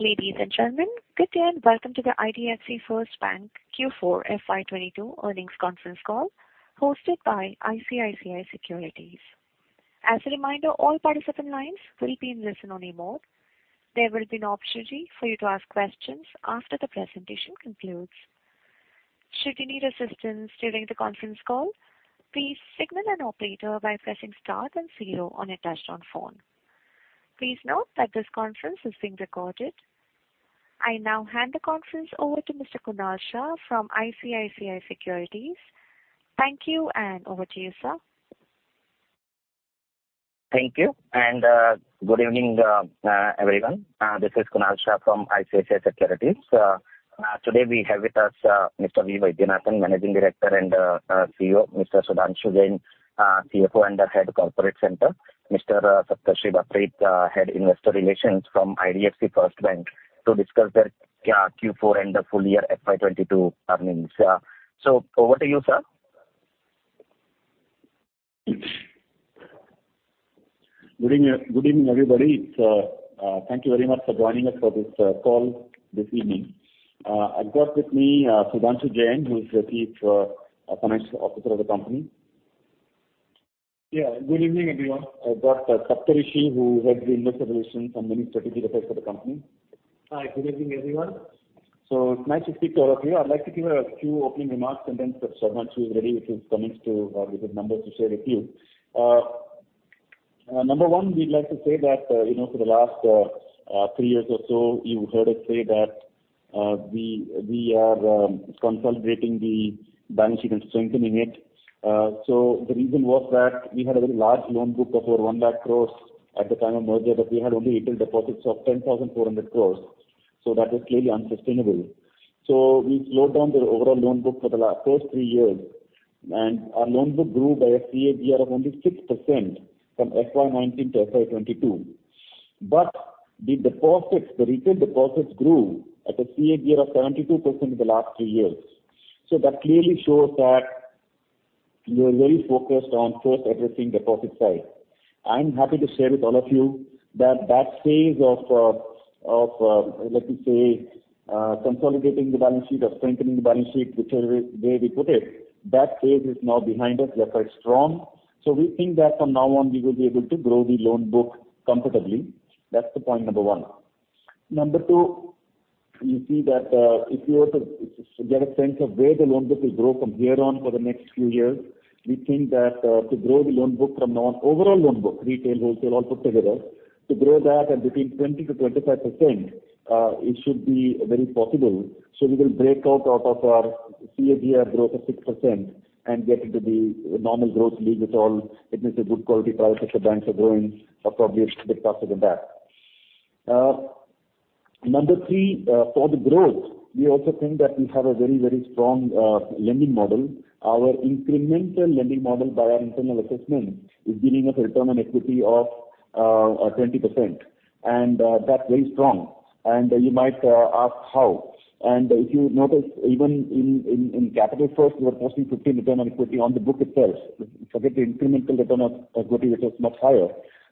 Ladies and gentlemen, good day and welcome to the IDFC First Bank Q4 FY22 earnings conference call hosted by ICICI Securities. As a reminder, all participant lines will be in listen only mode. There will be an opportunity for you to ask questions after the presentation concludes. Should you need assistance during the conference call, please signal an operator by pressing star then zero on a touchtone phone. Please note that this conference is being recorded. I now hand the conference over to Mr. Kunal Shah from ICICI Securities. Thank you and over to you, sir. Thank you and good evening everyone. This is Kunal Shah from ICICI Securities. Today, we have with us Mr. V. Vaidyanathan, Managing Director and CEO, Mr. Sudhanshu Jain, CFO and Head Corporate Centre, Mr. Saptarshi Bapari, Head Investor Relations from IDFC First Bank to discuss their Q4 and the full year FY22 earnings. Over to you, sir. Good evening, everybody. It's, thank you very much for joining us for this call this evening. I've got with me Sudhanshu Jain, who is the Chief Financial Officer of the company. Yeah. Good evening, everyone. I've got Saptarshi, who heads Investor Relations and many strategic affairs for the company. Hi. Good evening, everyone. It's nice to speak to all of you. I'd like to give a few opening remarks and then Sudhanshu is ready with his numbers to share with you. Number one, we'd like to say that, you know, for the last three years or so, you heard us say that we are consolidating the balance sheet and strengthening it. The reason was that we had a very large loan book of over 1 lakh crore at the time of merger, but we had only retail deposits of 10,400 crore. That was clearly unsustainable. We slowed down the overall loan book for the first three years, and our loan book grew by a CAGR of only 6% from FY 2019 to FY 2022. The deposits, the retail deposits grew at a CAGR of 72% in the last three years. That clearly shows that we were very focused on first addressing deposit side. I'm happy to share with all of you that that phase of, let me say, consolidating the balance sheet or strengthening the balance sheet, whichever way we put it, that phase is now behind us. We are quite strong. We think that from now on, we will be able to grow the loan book comfortably. That's the point number one. Number two, you see that, if you were to get a sense of where the loan book will grow from here on for the next few years, we think that, to grow the loan book from now on, overall loan book, retail, wholesale, all put together, to grow that at between 20%-25%, it should be very possible. We will break out of our CAGR growth of 6% and get into the normal growth league with all, let me say, good quality private sector banks are growing or probably a bit faster than that. Number three, for the growth, we also think that we have a very, very strong, lending model. Our incremental lending model by our internal assessment is giving us a return on equity of 20%. That's very strong. You might ask how. If you notice, even in Capital First, we were posting 15% return on equity on the book itself. Forget the incremental return of equity, which was much higher,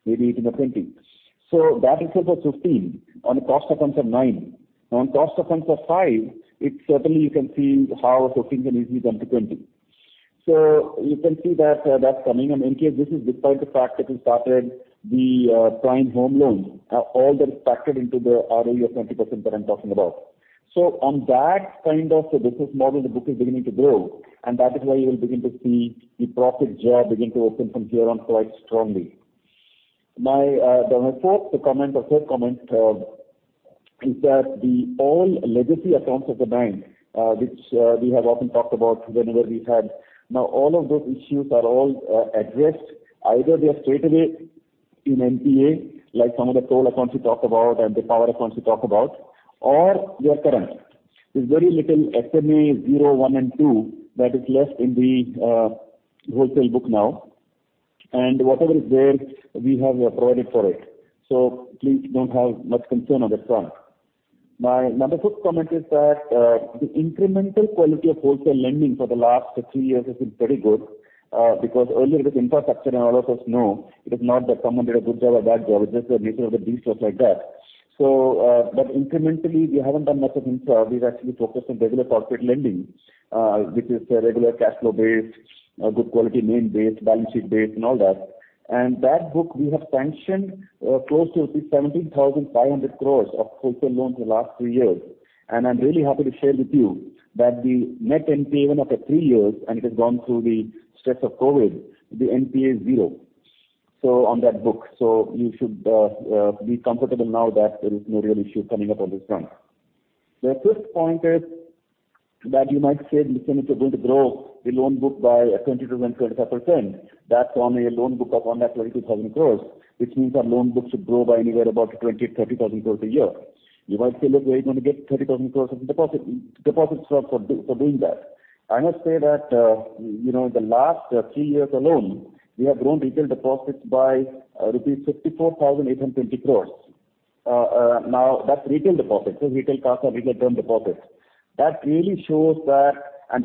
maybe 18% or 20%. That itself was 15% on a cost of funds of 9%. Now, on cost of funds of 5%, it certainly you can see how a 15% can easily jump to 20%. You can see that's coming. In case this is despite the fact that we started the prime home loans. All that is factored into the ROE of 20% that I'm talking about. On that kind of a business model, the book is beginning to grow and that is why you will begin to see the profit jar begin to open from here on quite strongly. My fourth comment or third comment is that all legacy accounts of the bank, which we have often talked about whenever we've had. Now all of those issues are addressed. Either they are straightaway in NPA, like some of the toll accounts we talked about and the power accounts we talked about or they are current. There's very little SMA 0, 1, and 2 that is left in the wholesale book now. Whatever is there, we have provided for it. Please don't have much concern on that front. My number fifth comment is that the incremental quality of wholesale lending for the last three years has been very good. Because earlier it was infrastructure and all of us know it is not that someone did a good job or bad job. It's just the nature of the beast was like that. Incrementally, we haven't done much of infra. We've actually focused on regular corporate lending, which is a regular cash flow based, a good quality name based, balance sheet based and all that. That book we have sanctioned close to 17,500 crores of wholesale loans in the last three years. I'm really happy to share with you that the net NPA even after three years, and it has gone through the stress of COVID, the NPA is zero, so on that book. You should be comfortable now that there is no real issue coming up on this front. The fifth point is that you might say, listen, if you're going to grow the loan book by 20%-25%, that's on a loan book of 1,22,000 crores, which means our loan book should grow by anywhere about 20,000-30,000 crores a year. You might say, "Look, where are you gonna get 30,000 crores of deposits from for doing that?" I must say that you know, the last three years alone, we have grown retail deposits by rupees 54,820 crores. Now that's retail deposits. So retail CASA, retail term deposits. That really shows that.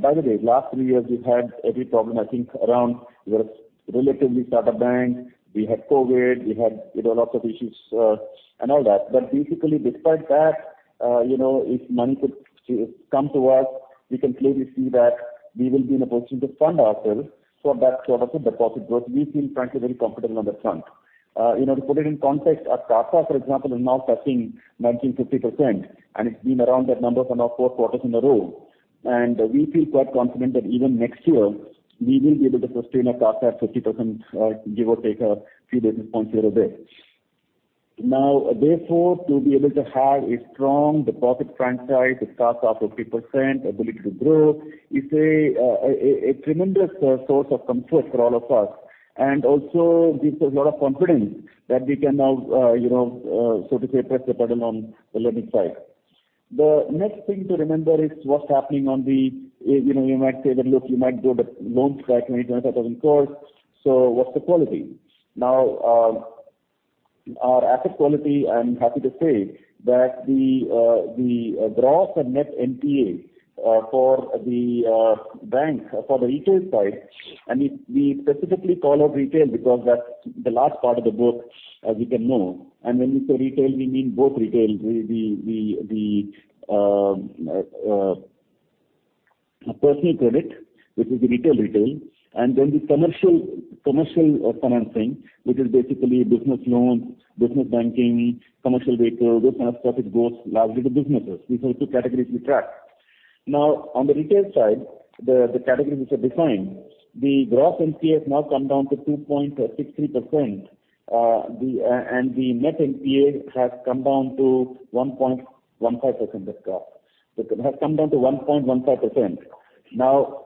By the way, last three years we've had every problem, I think, around. We were relatively startup bank. We had COVID. We had, you know, lots of issues, and all that. Basically despite that, you know, if money could come to us, we can clearly see that we will be in a position to fund ourselves so that sort of a deposit growth, we feel frankly very comfortable on that front. You know, to put it in context, our CASA, for example, is now touching 19%-50% and it's been around that number for now four quarters in a row. We feel quite confident that even next year we will be able to sustain our CASA at 50%, give or take a few basis points here or there. Now, therefore, to be able to have a strong deposit franchise with CASA at 50%, ability to grow is a tremendous source of comfort for all of us and also gives us a lot of confidence that we can now, you know, so to say press the pedal on the lending side. The next thing to remember is what's happening on the, you know, you might say that, "Look, you might grow the loans by 25,000 crore, so what's the quality?" Now, our asset quality, I'm happy to say that the gross and net NPA for the bank for the retail side, and we specifically call out retail because that's the large part of the book as you know. When we say retail, we mean both retail, personal credit which is the retail-retail and then the commercial financing which is basically business loans, business banking, commercial vehicle this kind of stuff it goes largely to businesses. These are the two categories we track. Now, on the retail side the categories which are defined, the gross NPA has now come down to 2.60%. And the net NPA has come down to 1.15% of gross. It has come down to 1.15%. Now,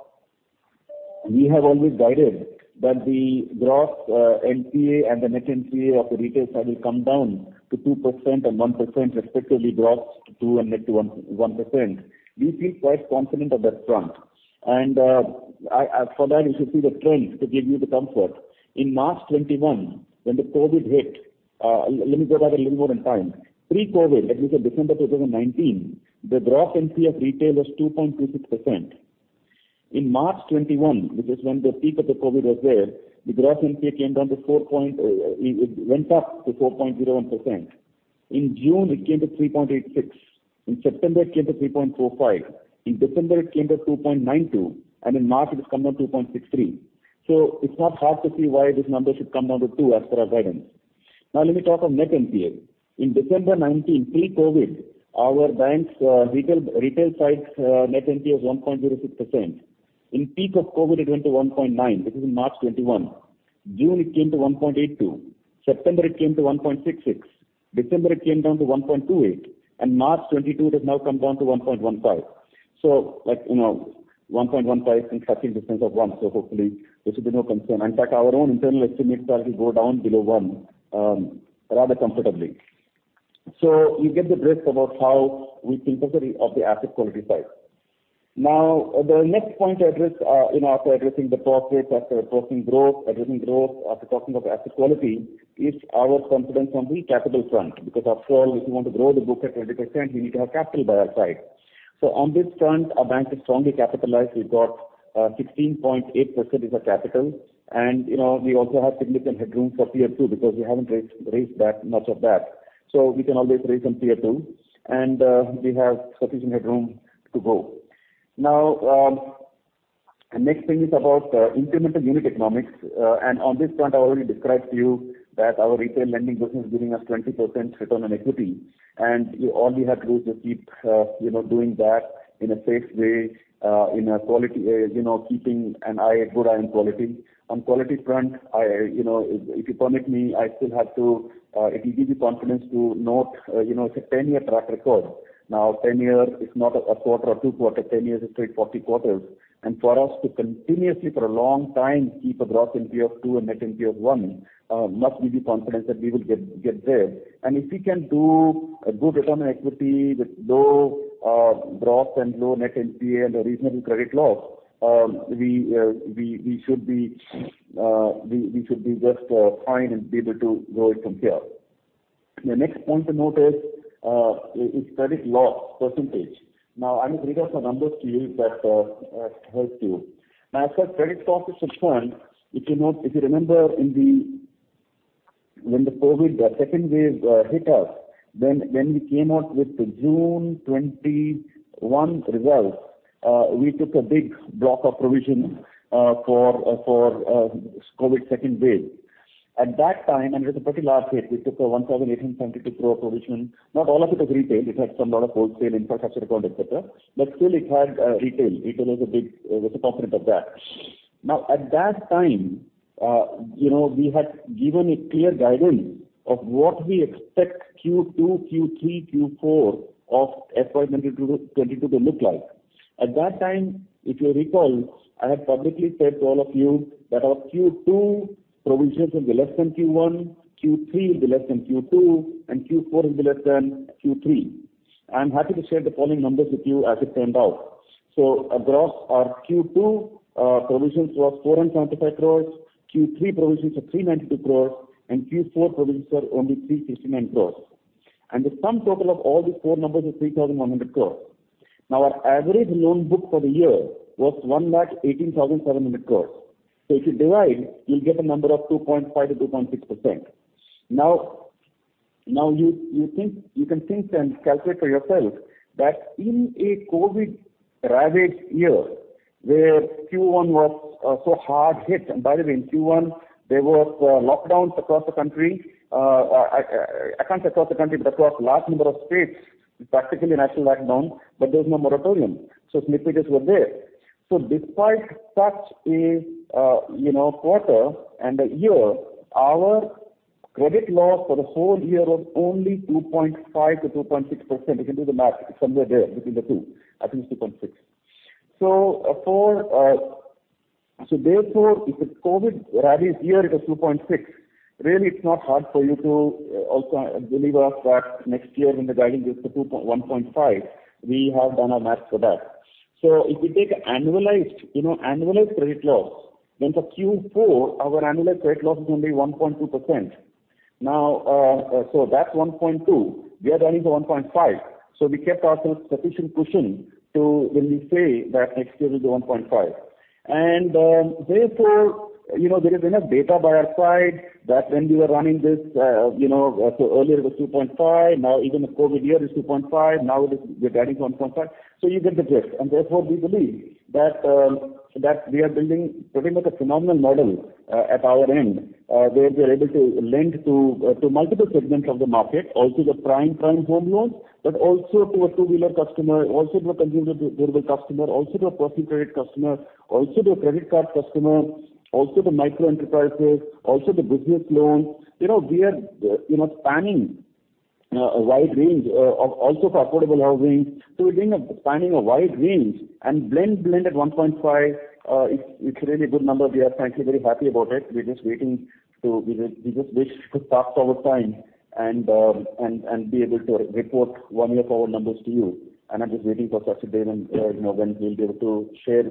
we have always guided that the gross NPA and the net NPA of the retail side will come down to 2% and 1% respectively, gross 2% and net 1%. We feel quite confident on that front. For that you should see the trends to give you the comfort. In March 2021 when the COVID-19 hit, let me go back a little more in time. Pre-COVID, like we said December 2019, the gross NPA of retail was 2.26%. In March 2021, which is when the peak of the COVID-19 was there, the gross NPA went up to 4.01%. In June it came to 3.86%. In September it came to 3.45%. In December it came to 2.92%, and in March it has come down to 2.63%. It's not hard to see why this number should come down to 2% as per our guidance. Now let me talk of net NPA. In December 2019, pre-COVID, our bank's retail side's net NPA was 1.06%. In peak of COVID it went to 1.9%. This is in March 2021. June it came to 1.82%. September it came to 1.66%. December it came down to 1.28%, and March 2022 it has now come down to 1.15%. Like, you know, 1.15 is in touching distance of 1, so hopefully this will be no concern. In fact, our own internal estimates are it will go down below one, rather comfortably. You get the drift about how we think of the asset quality side. Now, the next point to address, you know, after addressing the profit, after addressing growth, after talking about asset quality is our confidence on the capital front because after all if we want to grow the book at 20% we need to have capital by our side. So on this front our bank is strongly capitalized. We've got, 16.8% is our capital and, you know, we also have significant headroom for Tier two because we haven't raised that much of that. So we can always raise some Tier two and, we have sufficient headroom to go. Now, next thing is about, incremental unit economics. On this front I've already described to you that our retail lending business is giving us 20% return on equity and all we have to do is just keep you know doing that in a safe way in a quality you know keeping a good eye on quality. On quality front I you know if you permit me it'll give you confidence to note you know it's a 10-year track record. Now 10 years is not a quarter or two quarters 10 years is 30 40 quarters and for us to continuously for a long time keep a gross NPA of 2% and net NPA of 1% must give you confidence that we will get there. If we can do a good return on equity with low gross and low net NPA and a reasonable credit loss, we should be just fine and be able to grow it from here. The next point to note is credit loss percentage. Now, I need to read out some numbers to you that help you. Now, as far as credit loss is concerned if you note, if you remember when the COVID second wave hit us then when we came out with the June 2021 results, we took a big block of provision for COVID second wave. At that time it was a pretty large hit we took a 1,872 crore provision. Not all of it was retail. It had a lot of wholesale infrastructure accounts, et cetera, but still it had retail. Retail was a big component of that. Now, at that time, you know, we had given a clear guidance of what we expect Q2, Q3, Q4 of FY 2022 to look like. At that time if you recall I had publicly said to all of you that our Q2 provisions will be less than Q1, Q3 will be less than Q2 and Q4 will be less than Q3. I'm happy to share the following numbers with you as it turned out. Across our Q2 provisions was 475 crore. Q3 provisions are 392 crore and Q4 provisions are only 369 crore. The sum total of all these four numbers is 3,100 crore. Now our average loan book for the year was 1,18,700 crore. If you divide, you'll get a number of 2.5%-2.6%. Now you think, you can think and calculate for yourself that in a COVID-ravaged year, where Q1 was so hard hit. By the way, in Q1 there was lockdowns across the country. I can't say across the country, but across large number of states, practically national lockdown, but there was no moratorium. NPAs were there. Despite such a you know, quarter and a year, our credit loss for the whole year was only 2.5%-2.6%. You can do the math. It's somewhere there between the two. I think it's 2.6. So for therefore, if a COVID ravaged year, it was 2.6. Really, it's not hard for you to also believe us that next year when we're guiding you to 1.5, we have done our math for that. So if you take annualized, you know, annualized credit loss, then for Q4 our annualized credit loss is only 1.2%. Now, so that's 1.2. We are running to 1.5. So we kept ourselves sufficient cushion to when we say that next year will be 1.5. Therefore, you know, there is enough data by our side that when we were running this, you know, so earlier it was 2.5. Now even the COVID year is 2.5. Now it is, we're guiding to 1.5%. You get the drift. We believe that we are building pretty much a phenomenal model at our end, where we are able to lend to multiple segments of the market. Also the prime home loans, but also to a two-wheeler customer, also to a consumer durable customer, also to a personal credit customer, also to a credit card customer, also to micro enterprises, also to business loans. You know, we are, you know, spanning a wide range, also for affordable housing. We're doing a spanning a wide range and blend at 1.5%. It's really a good number. We are frankly very happy about it. We're just waiting to. We just wish to fast-forward time and be able to report one year forward numbers to you. I'm just waiting for such a day when, you know, we'll be able to share,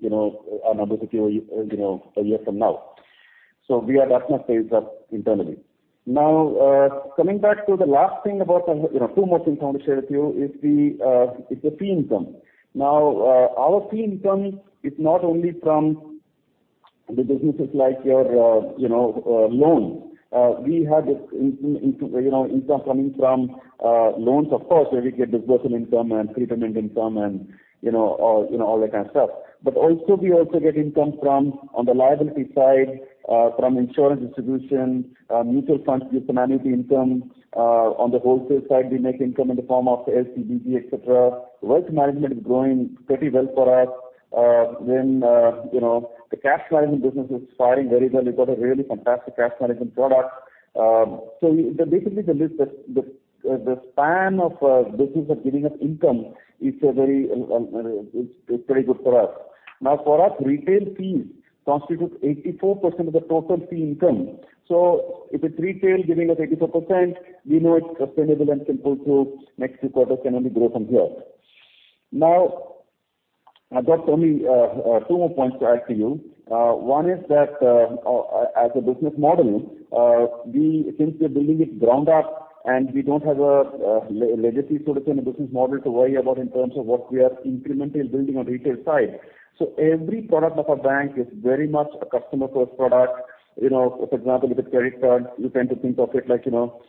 you know, our numbers with you know, a year from now. We are that much phased up internally. Now, coming back to the last thing about the, you know, two more things I want to share with you is the fee income. Now, our fee income is not only from the businesses like your, you know, loans. We have this in, you know, income coming from loans, of course, where we get disbursement income and prepayment income and, you know, all that kind of stuff. Also, we also get income from, on the liability side, from insurance distribution, mutual funds gives some annuity income. On the wholesale side, we make income in the form of LC/BG, et cetera. Wealth management is growing pretty well for us. You know, the cash management business is faring very well. We've got a really fantastic cash management product. Basically, the list, the span of business are giving us income. It's very good for us. Now, for us, retail fees constitute 84% of the total fee income. If it's retail giving us 84%, we know it's sustainable and simple to next few quarters can only grow from here. Now, I've got only two more points to add to you. One is that, as a business model, we since we are building it ground up and we don't have a legacy sort of business model to worry about in terms of what we are incrementally building on retail side. Every product of our bank is very much a customer first product. You know, for example, if it's credit card, you tend to think of it like, you know,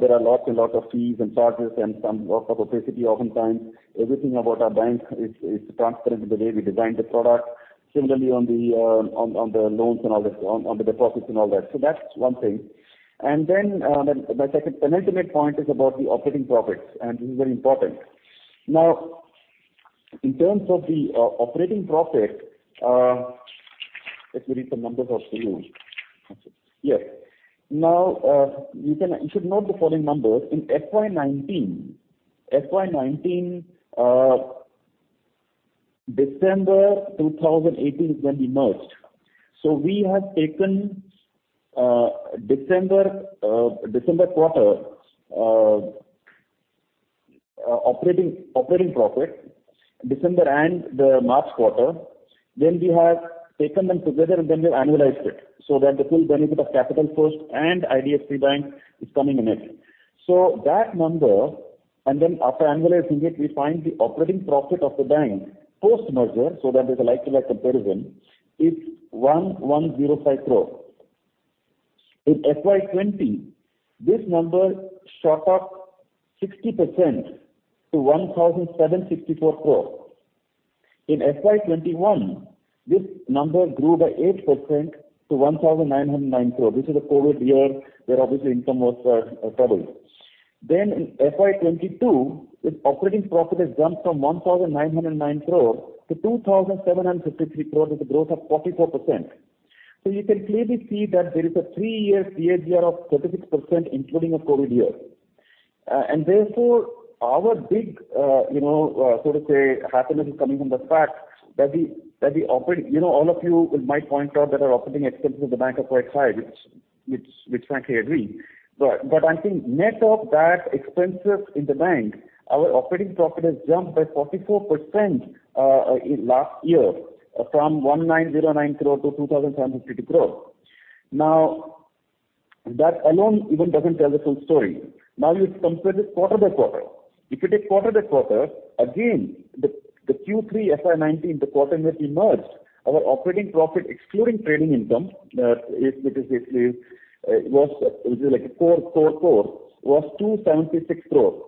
there are lots and lots of fees and charges and some lack of opacity oftentimes. Everything about our bank is transparent in the way we design the product. Similarly on the loans and all this, on the deposits and all that. That's one thing. Then, my second penultimate point is about the operating profits, and this is very important. Now, in terms of the operating profit, let me read some numbers off to you. Yes. Now, you can, you should note the following numbers. In FY 2019, December 2018 is when we merged. So we have taken December quarter operating profit, December and the March quarter. Then we have taken them together, and then we have annualized it so that the full benefit of Capital First and IDFC Bank is coming in it. So that number, and then after annualizing it, we find the operating profit of the bank post-merger so that there's a like to like comparison. It's 1,105 crore. In FY 2020, this number shot up 60% to 1,764 crore. In FY 2021, this number grew by 8% to 1,909 crore. This is a COVID year where obviously income was troubled. In FY22, its operating profit has jumped from 1,909 crore to 2,753 crore with a growth of 44%. You can clearly see that there is a 3-year CAGR of 36%, including a COVID year. Therefore our big, you know, so to say, happiness is coming from the fact that we, that we operate. You know, all of you might point out that our operating expenses of the bank are quite high, which, frankly, I agree. I think net of that expenses in the bank, our operating profit has jumped by 44%, in last year from 1,909 crore to 2,750 crore. Now that alone even doesn't tell the full story. Now you compare this quarter by quarter. If you take quarter by quarter, again, the Q3 FY 2019, the quarter when we merged, our operating profit excluding trading income was basically like a core was 276 crore.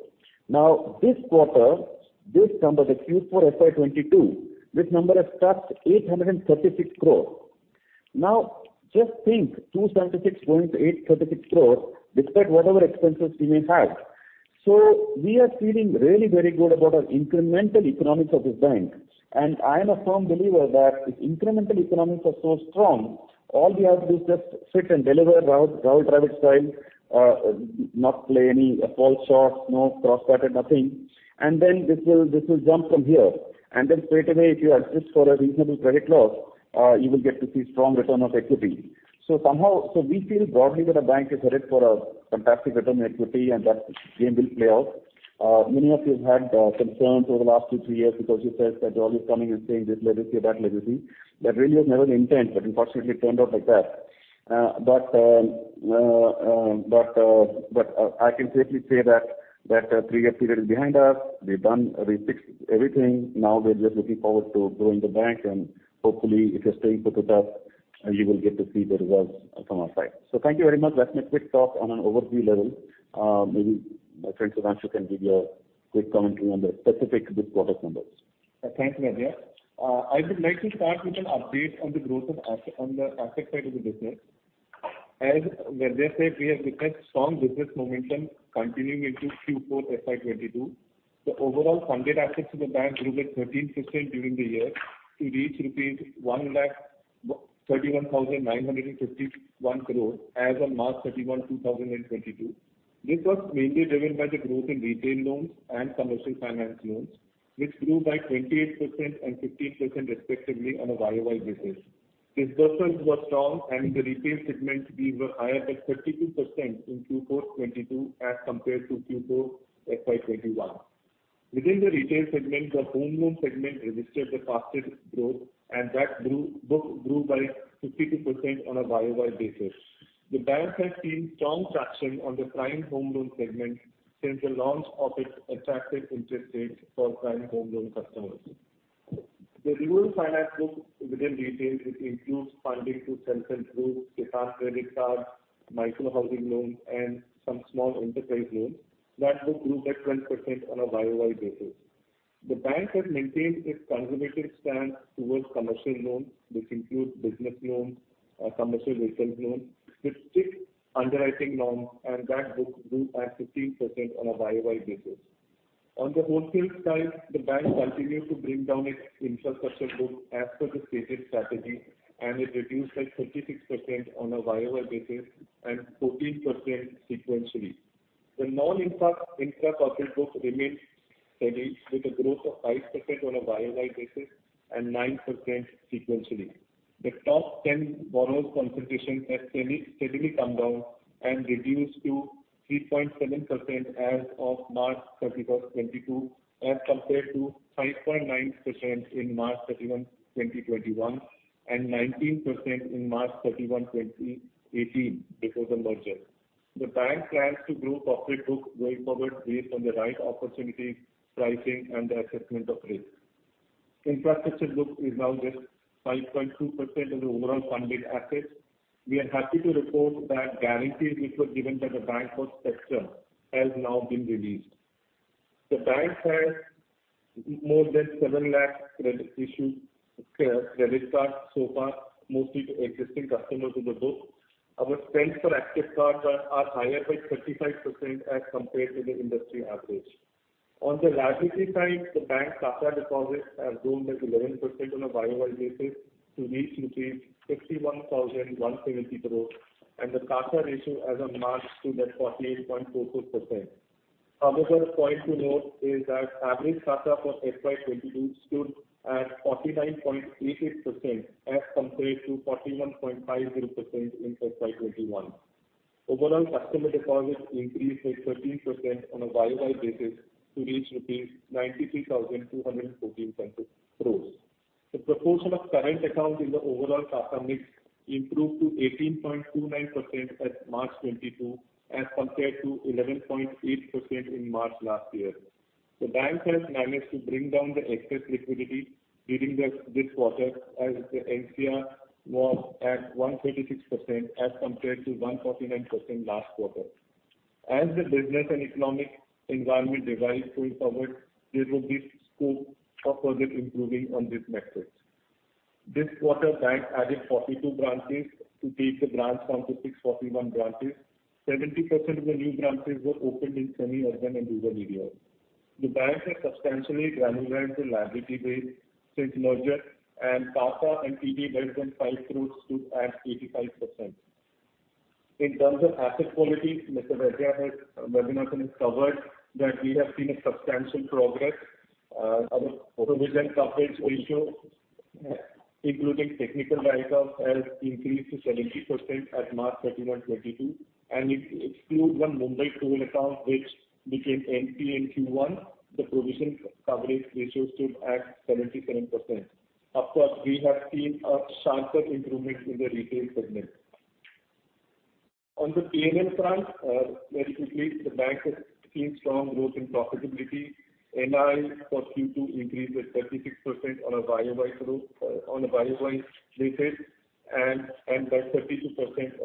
Now this quarter, this number, the Q4 FY 2022, this number has touched 836 crore. Now just think 276 growing to 836 crore despite whatever expenses we may have. We are feeling really very good about our incremental economics of this bank. I am a firm believer that if incremental economics are so strong, all we have to do is just sit and deliver Rahul Dravid style, not play any false shots, no cross-batted, nothing. Then this will jump from here. Then straight away, if you adjust for a reasonable credit loss, you will get to see strong return on equity. We feel broadly that our bank is headed for a fantastic return on equity, and that game will play out. Many of you have had concerns over the last two, three years because you felt that Rahul is coming and saying this legacy or that legacy. That really was never the intent, but unfortunately it turned out like that. I can safely say that three-year period is behind us. We fixed everything. Now we're just looking forward to growing the bank. Hopefully, if you stay put with us, you will get to see the results from our side. Thank you very much. That's my quick talk on an overview level. Maybe my friend, Sudhanshu can give you a quick commentary on the specific good quarter numbers. Thanks, Vaidyanathan. I would like to start with an update on the growth of asset, on the asset side of the business. As Vaidyanathan said, we have seen strong business momentum continuing into Q4 FY22. The overall funded assets of the bank grew by 13% during the year to reach rupees 1,31,951 crore as of March 31, 2022. This was mainly driven by the growth in retail loans and commercial finance loans, which grew by 28% and 15% respectively on a YOY basis. Disbursements were strong and the retail segment fees were higher by 32% in Q4 FY22 as compared to Q4 FY21. Within the retail segment, the home loan segment registered the fastest growth and the book grew by 52% on a YOY basis. The bank has seen strong traction on the prime home loan segment since the launch of its attractive interest rates for prime home loan customers. The rural finance book within retail, which includes funding to self-help groups, Kisan credit cards, micro-housing loans and some small enterprise loans. That book grew by 10% on a YOY basis. The bank has maintained its conservative stance towards commercial loans, which include business loans, commercial vehicle loans with strict underwriting norms, and that book grew at 15% on a YOY basis. On the wholesale side, the bank continued to bring down its infrastructure book as per the stated strategy, and it reduced by 36% on a YOY basis and 14% sequentially. The non-infrastructure book remains steady with a growth of 5% on a YOY basis and 9% sequentially. The top ten borrowers concentration has steadily come down and reduced to 3.7% as of March 31, 2022, as compared to 5.9% in March 31, 2021 and 19% in March 31, 2018 before the merger. The bank plans to grow corporate book going forward based on the right opportunity, pricing and the assessment of risk. Infrastructure book is now just 5.2% of the overall funded assets. We are happy to report that guarantees which were given by the bank for Spectra has now been released. The bank has more than 700,000 credit cards issued so far, mostly to existing customers in the book. Our spends per active cards are higher by 35% as compared to the industry average. On the liability side, the bank's CASA deposits have grown by 11% on a YOY basis to reach rupees 61,170 crore, and the CASA ratio as of March stood at 48.44%. Another point to note is that average CASA for FY22 stood at 49.88% as compared to 41.50% in FY21. Overall customer deposits increased by 13% on a YOY basis to reach 93,214 crore rupees. The proportion of current accounts in the overall CASA mix improved to 18.29% as of March 2022, as compared to 11.8% in March last year. The bank has managed to bring down the excess liquidity during this quarter, as the LCR was at 136% as compared to 149% last quarter. As the business and economic environment evolves going forward, there will be scope for further improving on this metric. This quarter, bank added 42 branches to take the branch count to 641 branches. 70% of the new branches were opened in semi-urban and rural areas. The bank has substantially granularized the liability base since merger and CASA and TD based on CASA crores stood at 85%. In terms of asset quality, Mr. Vaidyanathan has covered that we have seen a substantial progress. Our provision coverage ratio, including technical write-off, has increased to 70% at March 31, 2022, and if you exclude one Mumbai loan account which became NPA in Q1, the provision coverage ratio stood at 77%. Of course, we have seen a sharper improvement in the retail segment. On the PNL front, very quickly, the bank has seen strong growth in profitability. NII for Q2 increased by 36% on a YOY basis and by 32%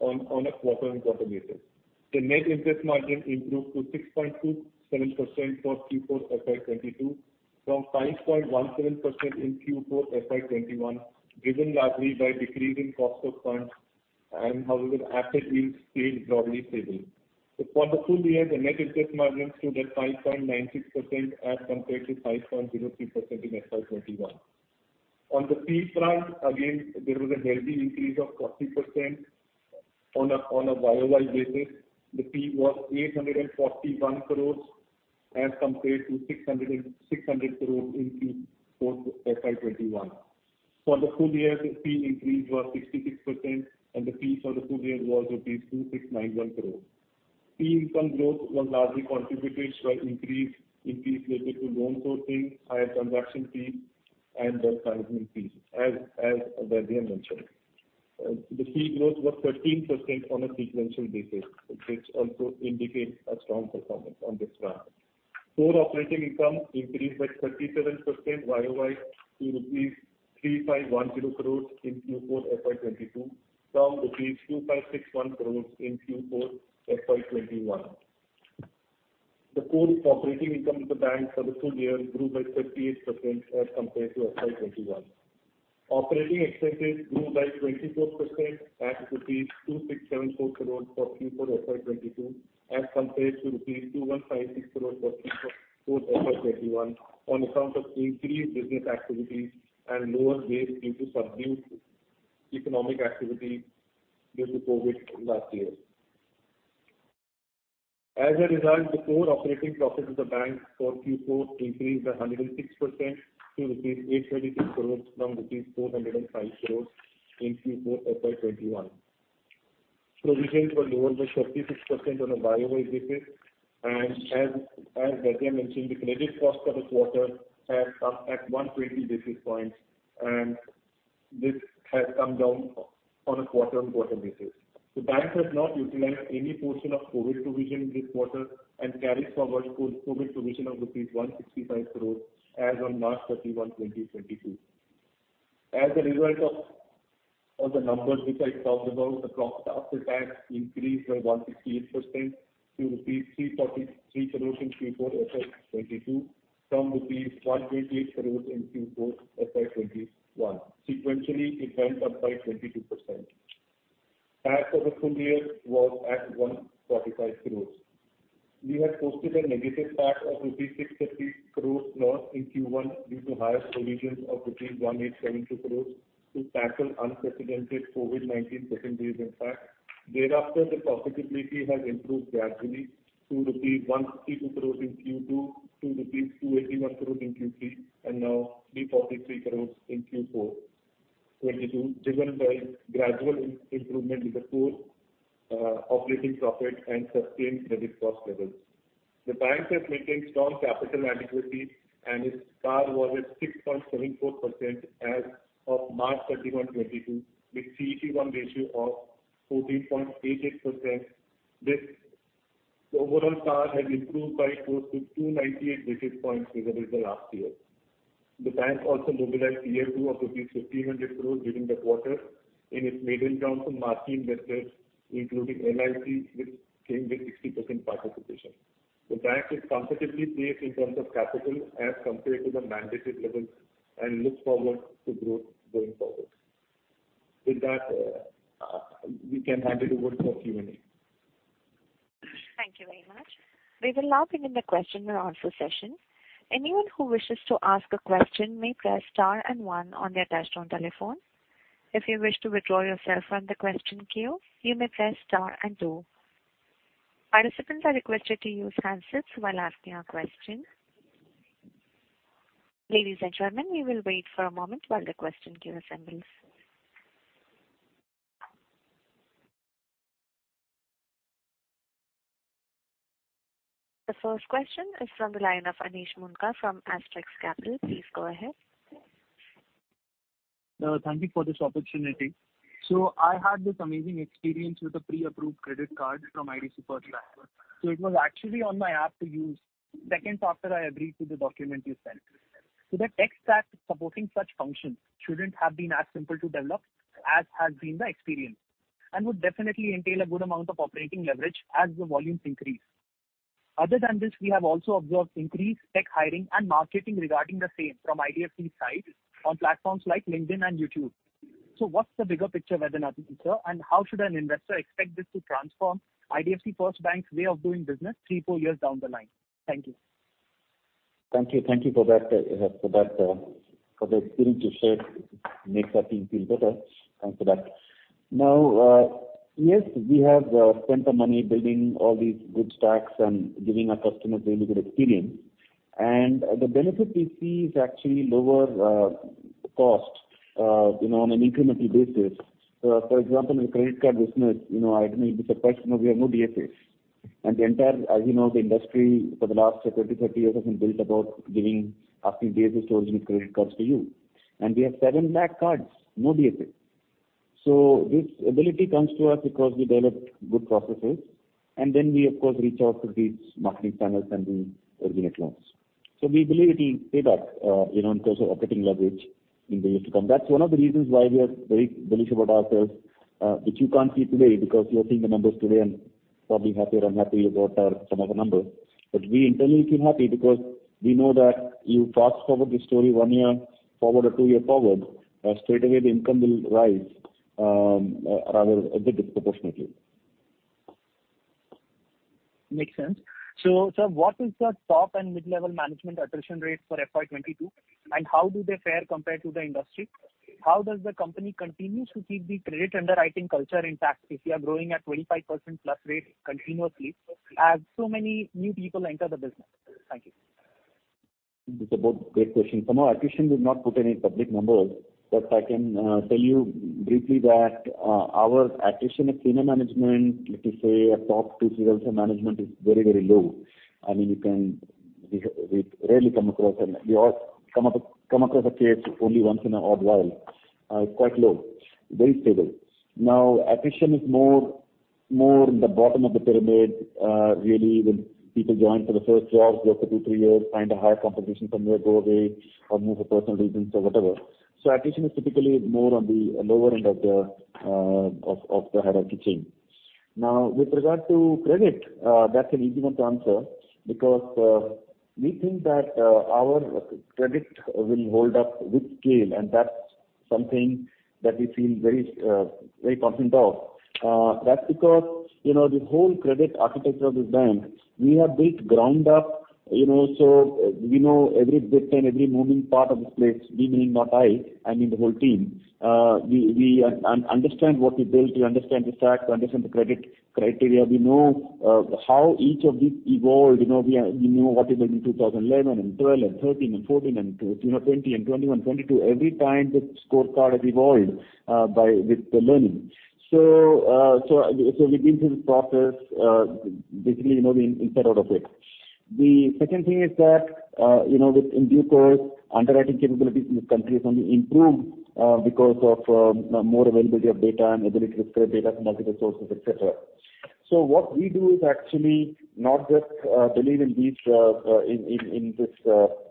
on a quarter-on-quarter basis. The net interest margin improved to 6.27% for Q4 FY 2022 from 5.17% in Q4 FY 2021, driven largely by decrease in cost of funds and however, asset yields stayed broadly stable. For the full year, the net interest margin stood at 5.96% as compared to 5.03% in FY 2021. On the fee front, again, there was a healthy increase of 40% on a YOY basis. The fee was 841 crore as compared to 600 crore in Q4 FY 2021. For the full year, the fee increase was 66%, and the fee for the full year was rupees 2,691 crores. Fee income growth was largely contributed by increase related to loan sourcing, higher transaction fees, and wealth management fees, as Vaidyanathan mentioned. The fee growth was 13% on a sequential basis, which also indicates a strong performance on this front. Core operating income increased by 37% YOY to rupees 3,510 crores in Q4 FY 2022 from rupees 2,561 crores in Q4 FY 2021. The core operating income of the bank for the full year grew by 38% as compared to FY 2021. Operating expenses grew by 24% at rupees 2,674 crore for Q4 FY22 as compared to rupees 2,156 crore for Q4 FY21 on account of increased business activities and lower base due to subdued economic activity due to COVID last year. As a result, the core operating profit of the bank for Q4 increased by 106% to rupees 832 crore from rupees 405 crore in Q4 FY21. Provisions were lower by 36% on a YOY basis. As Vaidyanathan mentioned, the credit cost for the quarter has come at 120 basis points, and this has come down on a quarter-on-quarter basis. The bank has not utilized any portion of COVID provision this quarter and carries forward COVID provision of rupees 165 crore as on March 31, 2022. As a result of the numbers which I talked about, the profit after tax increased by 168% to rupees 343 crore in Q4 FY 2022 from rupees 188 crore in Q4 FY 2021. Sequentially, it went up by 22%. Tax for the full year was at 145 crore. We had posted a negative tax of rupees 630 crore loss in Q1 due to higher provisions of rupees 1,872 crore to tackle unprecedented COVID-19 second wave impact. Thereafter, the profitability has improved gradually to 152 crore in Q2, to 281 crore in Q3, and now 343 crore in Q4 2022, driven by gradual improvement in the core, operating profit and sustained credit cost levels. The bank has maintained strong capital adequacy, and its CAR was at 6.74% as of March 31, 2022, with CET1 ratio of 14.88%. The overall CAR has improved by close to 298 basis points vis-a-vis the last year. The bank also mobilized Tier two of 1,500 crores during the quarter in its maiden round from market investors, including LIC, which came with 60% participation. The bank is comfortably placed in terms of capital as compared to the mandatory levels and looks forward to growth going forward. With that, we can hand it over for Q&A. Thank you very much. We will now begin the question and answer session. Anyone who wishes to ask a question may press star and one on their touchtone telephone. If you wish to withdraw yourself from the question queue, you may press star and two. Participants are requested to use handsets while asking a question. Ladies and gentlemen, we will wait for a moment while the question queue assembles. The first question is from the line of Anish Moonka from Astrex Capital. Please go ahead. Thank you for this opportunity. I had this amazing experience with a pre-approved credit card from IDFC First Bank. It was actually on my app to use seconds after I agreed to the document you sent. The tech stack supporting such functions shouldn't have been as simple to develop as has been the experience, and would definitely entail a good amount of operating leverage as the volumes increase. Other than this, we have also observed increased tech hiring and marketing regarding the same from IDFC's side on platforms like LinkedIn and YouTube. What's the bigger picture, Vaidyanathan, sir, and how should an investor expect this to transform IDFC First Bank's way of doing business three, four years down the line? Thank you. Thank you for that, for the opportunity to share. Makes our team feel better thanks to that. Now, yes, we have spent the money building all these good stacks and giving our customers a really good experience. The benefit we see is actually lower cost, you know, on an incremental basis. For example, in the credit card business, you know, I don't know you'd be surprised to know we have no DSAs. The entire, as you know, the industry for the last 20, 30 years has been built about giving a few DSAs to originate credit cards to you. We have 7 lakh cards, no DSAs. This ability comes to us because we developed good processes, and then we of course reach out to these marketing channels and we originate loans. We believe it will pay back, you know, in terms of operating leverage in the years to come. That's one of the reasons why we are very bullish about ourselves, which you can't see today because you're seeing the numbers today and probably happy or unhappy about some of our numbers. We internally feel happy because we know that you fast-forward this story one year forward or two year forward, straightaway the income will rise, rather a bit disproportionately. Makes sense. Sir, what is the top and mid-level management attrition rate for FY22, and how do they fare compared to the industry? How does the company continue to keep the credit underwriting culture intact if you are growing at 25%+ rate continuously as so many new people enter the business? Thank you. It's a great question. For now, attrition, we've not put any public numbers, but I can tell you briefly that our attrition at senior management, let me say at top two, three levels of management is very, very low. I mean, we rarely come across a case only once in an odd while. It's quite low, very stable. Now, attrition is more in the bottom of the pyramid, really when people join for the first job, work for two, three years, find a higher compensation somewhere, go away or move for personal reasons or whatever. Attrition is typically more on the lower end of the hierarchy chain. Now, with regard to credit, that's an easy one to answer because we think that our credit will hold up with scale, and that's something that we feel very, very confident of. That's because, you know, the whole credit architecture of this bank we have built ground up, you know, so we know every bit and every moving part of this place. We meaning not I mean the whole team. We understand what we built, we understand the stacks, we understand the credit criteria. We know how each of these evolved. You know, we know what we did in 2011 and 2012 and 2013 and 2014 and, you know, 2020 and 2021, 2022. Every time this scorecard has evolved by with the learning. We've been through this process, basically, you know, we're inside out of it. The second thing is that, you know, within due course, underwriting capabilities in this country have only improved, because of more availability of data and ability to scrape data from multiple sources, et cetera. What we do is actually not just believe in these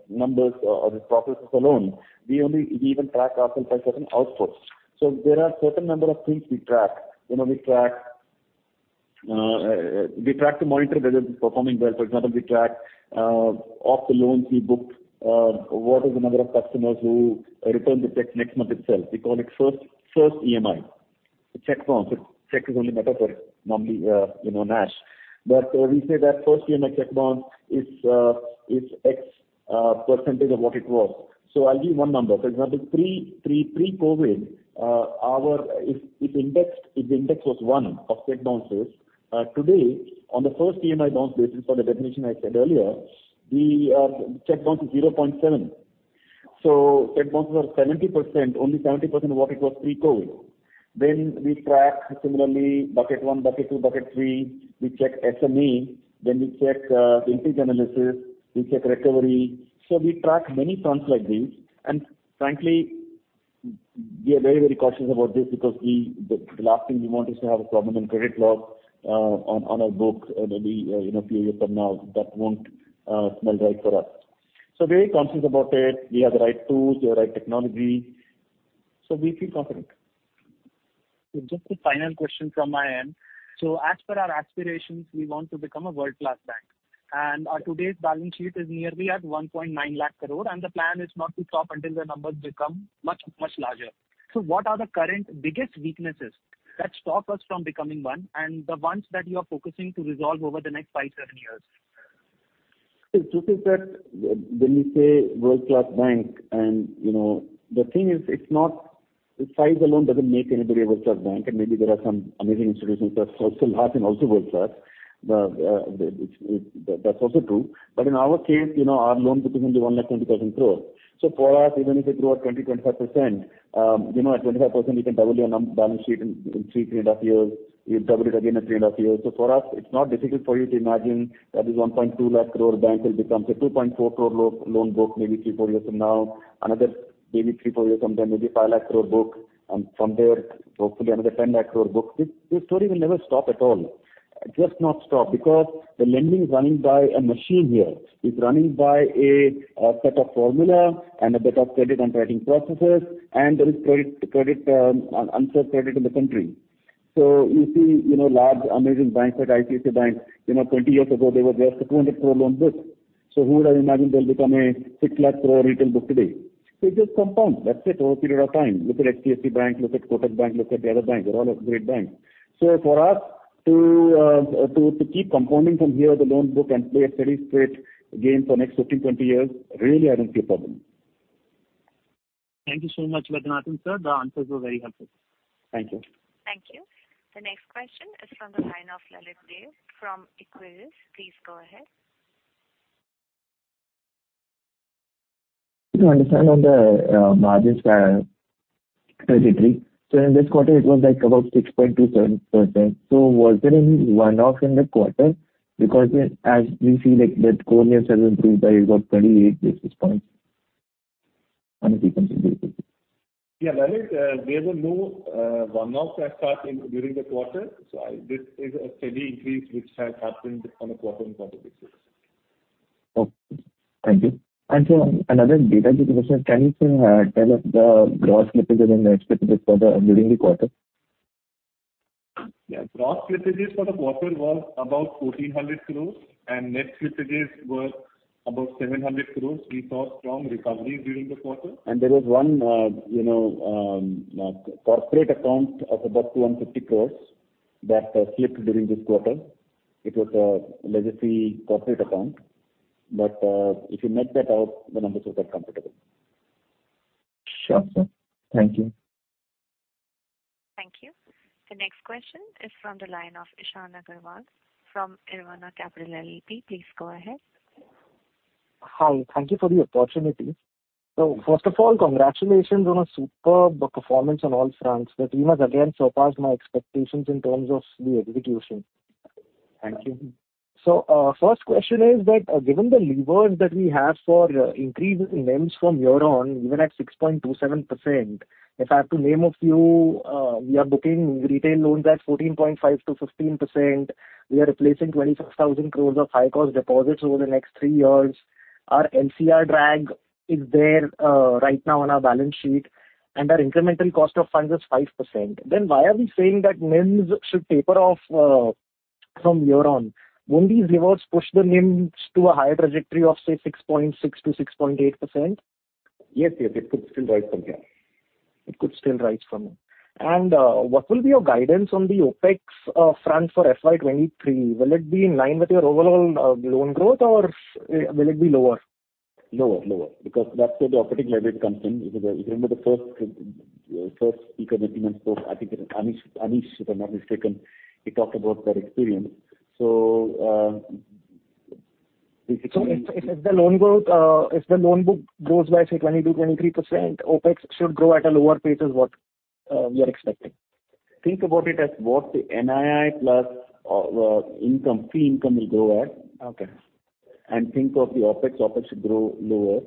numbers or these processes alone. We even track ourselves by certain outputs. There are certain number of things we track. You know, we track to monitor whether it's performing well. For example, we track of the loans we booked what is the number of customers who return the check next month itself. We call it first EMI. The check bounce is only metaphor, normally you know NACH. We say that first EMI check bounce is X percentage of what it was. I'll give you one number. For example, pre-COVID, if indexed, if the index was one of check bounces, today on the first EMI bounce basis for the definition I said earlier, check bounce is 0.7. Check bounces are 70%, only 70% of what it was pre-COVID. We track similarly bucket one, bucket two, bucket three. We check SME, we check the interest analysis, we check recovery. We track many fronts like these. Frankly, we are very, very cautious about this because we, the last thing we want is to have a permanent credit loss on our books maybe, you know, a few years from now. That won't smell right for us. Very conscious about it. We have the right tools, the right technology. We feel confident. Just a final question from my end. As per our aspirations, we want to become a world-class bank, and our today's balance sheet is nearly at 1.9 lakh crore and the plan is not to stop until the numbers become much, much larger. What are the current biggest weaknesses that stop us from becoming one, and the ones that you are focusing to resolve over the next five, seven years? The truth is that when we say world-class bank and, you know, the thing is it's not, the size alone doesn't make anybody a world-class bank, and maybe there are some amazing institutions that are also large and also world-class. That's also true. In our case, you know, our loans book is only 1.2 lakh crore. For us, even if it grew at 25%, you know, at 25% you can double your balance sheet in three and a half years. You double it again at three and a half years. For us, it's not difficult for you to imagine that this 1.2 lakh crore bank will become say 2.4 lakh crore loan book maybe three, four years from now. Another maybe three to four years from then, maybe 5 lakh crore book, and from there, hopefully another 10 lakh crore book. This story will never stop at all. Just not stop because the lending is running by a machine here. It's running by a set of formula and a set of credit underwriting processes, and there is underserved credit in the country. You see, you know, large amazing banks like ICICI Bank, you know, 20 years ago, they were just a 200 crore loan book. Who would have imagined they'll become a 6 lakh crore retail book today? It just compounds. That's it, over a period of time. Look at HDFC Bank, look at Kotak Bank, look at the other banks. They're all great banks. For us to keep compounding from here the loan book and play a steady straight game for next 15, 20 years, really I don't see a problem. Thank you so much, Vaidyanathan sir. The answers were very helpful. Thank you. Thank you. The next question is from the line of Lalit Deo from Equirus. Please go ahead. To understand on the margins trajectory. In this quarter it was like about 6.27%. Was there any one-off in the quarter? Because as we see like net core NIMs have improved by about 28 basis points and it continues to do so. Yeah, Lalit, there was no one-off as such during the quarter. This is a steady increase which has happened on a quarter-on-quarter basis. Okay. Thank you. Another data point, can you tell us the gross slippages and net slippages during the quarter? Yeah. Gross slippages for the quarter was about 1,400 crore and net slippages were about 700 crore. We saw strong recovery during the quarter. There was one, you know, corporate account of about 250 crore that slipped during this quarter. It was a legacy corporate account. If you net that out, the numbers look quite comfortable. Sure, sir. Thank you. Thank you. The next question is from the line of Ishan Agarwal from Irvine Capital LLP. Please go ahead. Hi. Thank you for the opportunity. First of all, congratulations on a superb performance on all fronts. The team has again surpassed my expectations in terms of the execution. Thank you. First question is that given the levers that we have for increasing NIMS from here on, even at 6.27%, if I have to name a few, we are booking retail loans at 14.5%-15%. We are replacing 26,000 crore of high cost deposits over the next three years. Our LCR drag is there, right now on our balance sheet, and our incremental cost of funds is 5%. Then why are we saying that NIMS should taper off, from here on? Won't these levers push the NIMS to a higher trajectory of, say, 6.6%-6.8%? Yes. Yes. It could still rise from here. It could still rise from here. What will be your guidance on the OpEx front for FY23? Will it be in line with your overall loan growth or will it be lower? Lower, because that's where the operating leverage comes in. Because if you remember the first speaker, Anish, spoke, I think Anish, if I'm not mistaken, he talked about that experience. It's. If the loan book grows by, say, 22%-23%, OpEx should grow at a lower pace is what we are expecting. Think about it as what the NII plus income, fee income will grow at. Okay. Think of the OpEx. OpEx should grow lower.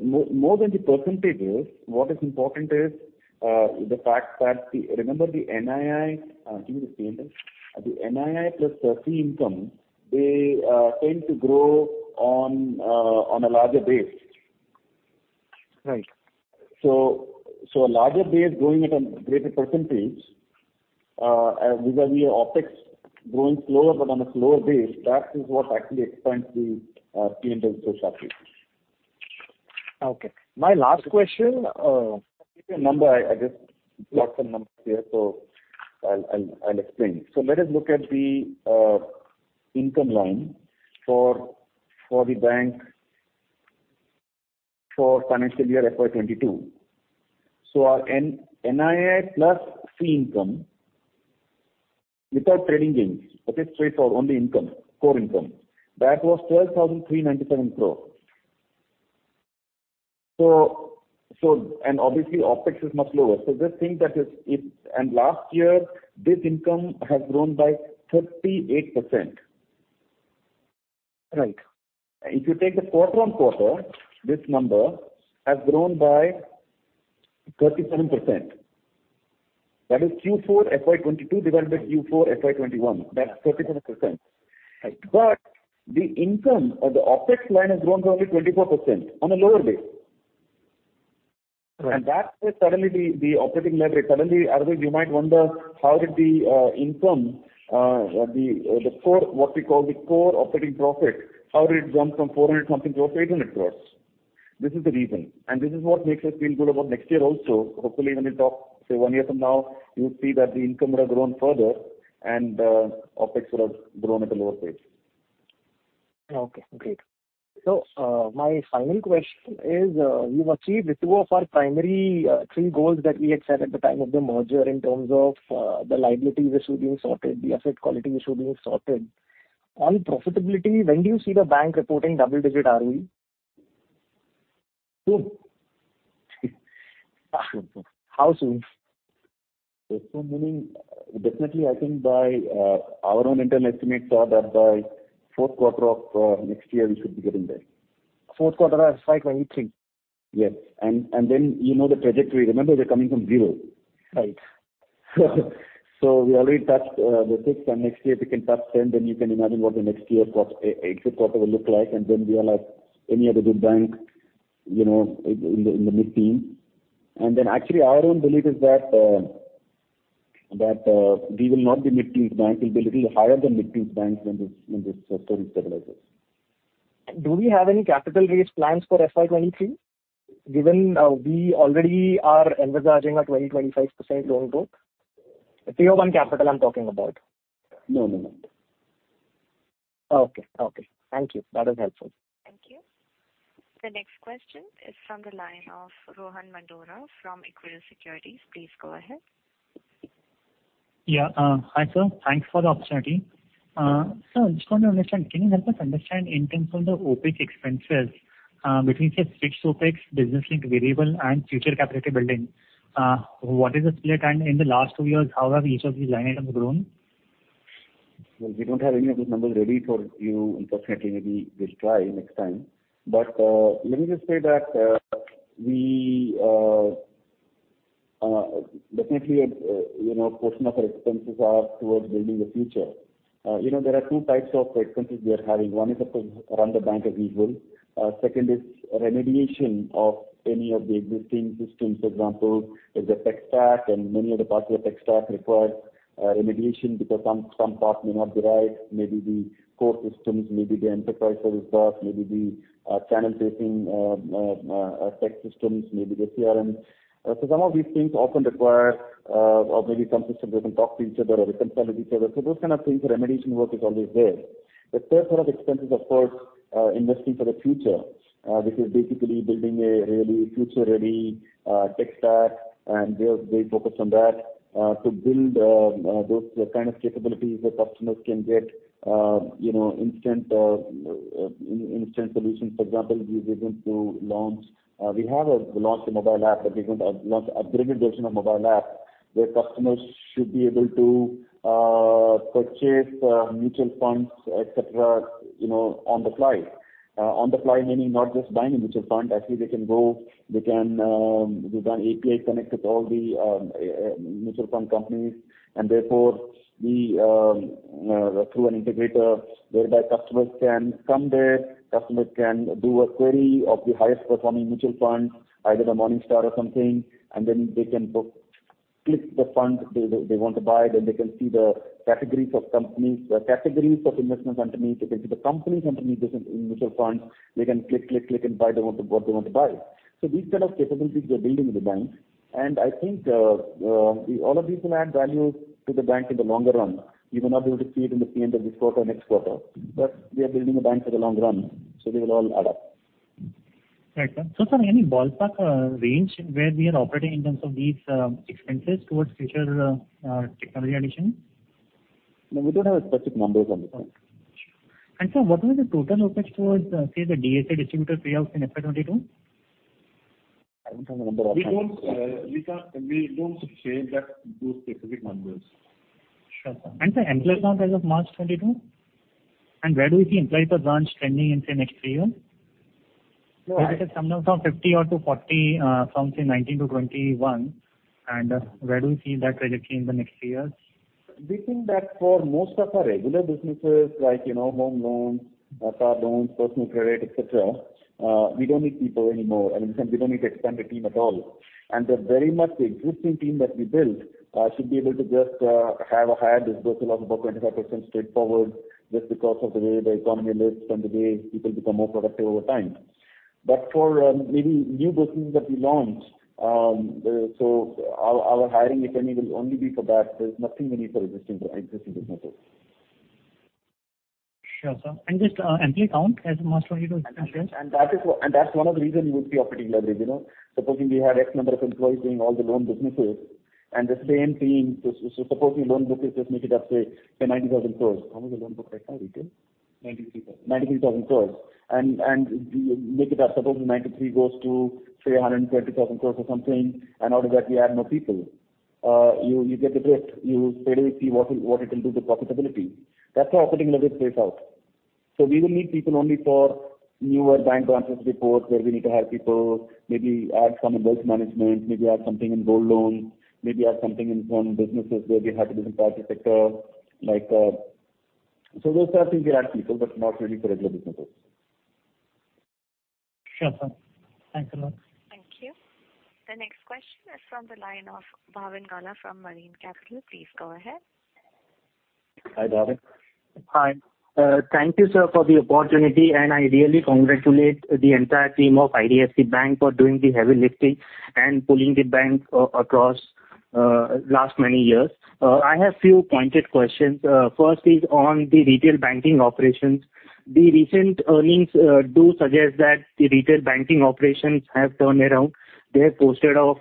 More than the percentage is, what is important is, the fact that. Remember the NII, give me the P&L. The NII plus, fee income, they tend to grow on a larger base. Right. A larger base growing at a greater percentage, vis-a-vis our OpEx growing slower but on a lower base, that is what actually explains the P&L so sharply. Okay. My last question, give you a number. I just got some numbers here, so I'll explain. Let us look at the income line for the bank for financial year FY 2022. Our NII plus fee income, without trading gains, okay, straightforward, only income, core income, that was 12,397 crore. Obviously OpEx is much lower. Just think that. Last year this income has grown by 38%. Right. If you take the quarter-on-quarter, this number has grown by 37%. That is Q4 FY22 divided by Q4 FY21. That's 37%. Right. The income or the OpEx line has grown by only 24% on a lower base. Right. That is suddenly the operating leverage. Suddenly, otherwise you might wonder, how did the income, the core, what we call the core operating profit, how did it jump from 400-something crores to 800 crores? This is the reason, and this is what makes us feel good about next year also. Hopefully when we talk, say, one year from now, you would see that the income would have grown further and OpEx would have grown at a lower pace. Okay, great. My final question is, you've achieved two of our primary, three goals that we had set at the time of the merger in terms of, the liability issue being sorted, the asset quality issue being sorted. On profitability, when do you see the bank reporting double-digit ROE? Soon. How soon? Soon meaning definitely I think by our own internal estimates are that by fourth quarter of next year we should be getting there. Fourth quarter of FY23? Yes. You know the trajectory. Remember, we're coming from zero. Right. We already touched 6%, and next year if we can touch 10%, then you can imagine what the next year's eighth quarter will look like. We are like any other good bank in the mid-teens%. Actually our own belief is that we will not be mid-teens% bank, we'll be a little higher than mid-teens% banks when this story stabilizes. Do we have any capital raise plans for FY23, given we already are envisioning a 25% loan growth? Tier one capital I'm talking about. No, no. Okay. Okay. Thank you. That is helpful. Thank you. The next question is from the line of Rohan Mandora from Equirus Securities. Please go ahead. Yeah. Hi, sir. Thanks for the opportunity. Sir, just want to understand, can you help us understand in terms of the OpEx expenses, between, say, fixed OpEx, business-linked variable, and future capacity building, what is the split? In the last two years, how have each of these line items grown? Well, we don't have any of these numbers ready for you, unfortunately. Maybe we'll try next time. Let me just say that, we definitely, you know, a portion of our expenses are towards building the future. You know, there are two types of expenses we are having. One is, of course, run the bank as usual. Second is remediation of any of the existing systems. For example, there's a tech stack, and many of the parts of the tech stack require remediation because some parts may not be right. Maybe the core systems, maybe the enterprise service bus, maybe the channel-facing tech systems, maybe the CRM. So some of these things often require, or maybe some systems doesn't talk to each other or they can't tell each other. Those kind of things, the remediation work is always there. The third set of expenses, of course, investing for the future, which is basically building a really future-ready tech stack, and we are very focused on that, to build those kind of capabilities where customers can get, you know, instant solutions. For example, we have launched a mobile app, but we're going to launch upgraded version of mobile app, where customers should be able to purchase mutual funds, et cetera, you know, on the fly. On the fly meaning not just buying a mutual fund. Actually, they can. We've done API connect with all the mutual fund companies and therefore, through an integrator, whereby customers can come there. Customers can do a query of the highest performing mutual funds, either the Morningstar or something, and then they can click the fund they want to buy. Then they can see the categories of companies, the categories of investment companies. They can see the companies underneath this mutual funds. They can click, click, and buy what they want to buy. These kind of capabilities we're building in the bank, and I think all of these will add value to the bank in the longer run. You may not be able to see it in the P&L this quarter, next quarter, but we are building a bank for the long run, so they will all add up. Right, sir. Sir, any ballpark range where we are operating in terms of these expenses towards future technology addition? No, we don't have specific numbers on this one. Sir, what was the total OpEx towards, say, the DSA distributor pay out in FY22? I don't have the number offhand. We don't say that, those specific numbers. Sure, sir. Sir, employee count as of March 2022? Where do you see employee per branch trending in, say, next three years? Well, Because it has come down from 50 or to 40, from say 19 to 21. Where do you see that trajectory in the next three years? We think that for most of our regular businesses, like, you know, home loans, car loans, personal credit, et cetera, we don't need people anymore. I mean, we don't need to expand the team at all. They're very much the existing team that we built should be able to just have a higher disbursal of about 25% straightforward just because of the way the economy lifts and the way people become more productive over time. For maybe new businesses that we launch, our hiring, if any, will only be for that. There's nothing we need for existing businesses. Sure, sir. Just, employee count as of March 2022? That's one of the reason we would be operating leverage, you know. Supposing we have X number of employees doing all the loan businesses and the same team, supposing loan book is just make it up, say 90,000 crore. How much is the loan book right now, Ritu? 93 thousand. 93,000 crores. Supposing 93,000 goes to, say, 120,000 crores or something, and out of that we add more people. You get the drift. You fairly see what it will do to profitability. That's how operating leverage plays out. We will need people only for newer bank branches we open where we need to hire people, maybe add some in wealth management, maybe add something in gold loan, maybe add something in some businesses where we have to be in private sector, like. Those types of things we add people, but not really for regular businesses. Sure, sir. Thanks a lot. Thank you. The next question is from the line of Bhavin Gala from Marine Capital. Please go ahead. Hi, Bhavin. Hi. Thank you, sir, for the opportunity, and I really congratulate the entire team of IDFC First Bank for doing the heavy lifting and pulling the bank across last many years. I have few pointed questions. First is on the retail banking operations. The recent earnings do suggest that the retail banking operations have turned around. They have posted a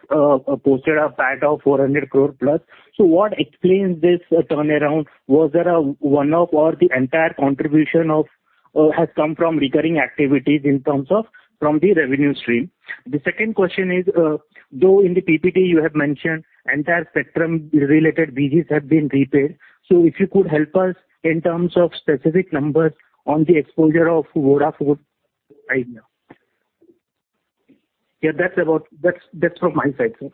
PAT of 400 crore plus. So what explains this turnaround? Was there a one-off or the entire contribution has come from recurring activities in terms of from the revenue stream? The second question is, though in the PPT you have mentioned entire Spectrum related business have been repaid, so if you could help us in terms of specific numbers on the exposure of Vodafone right now. Yeah, that's about. That's from my side, sir.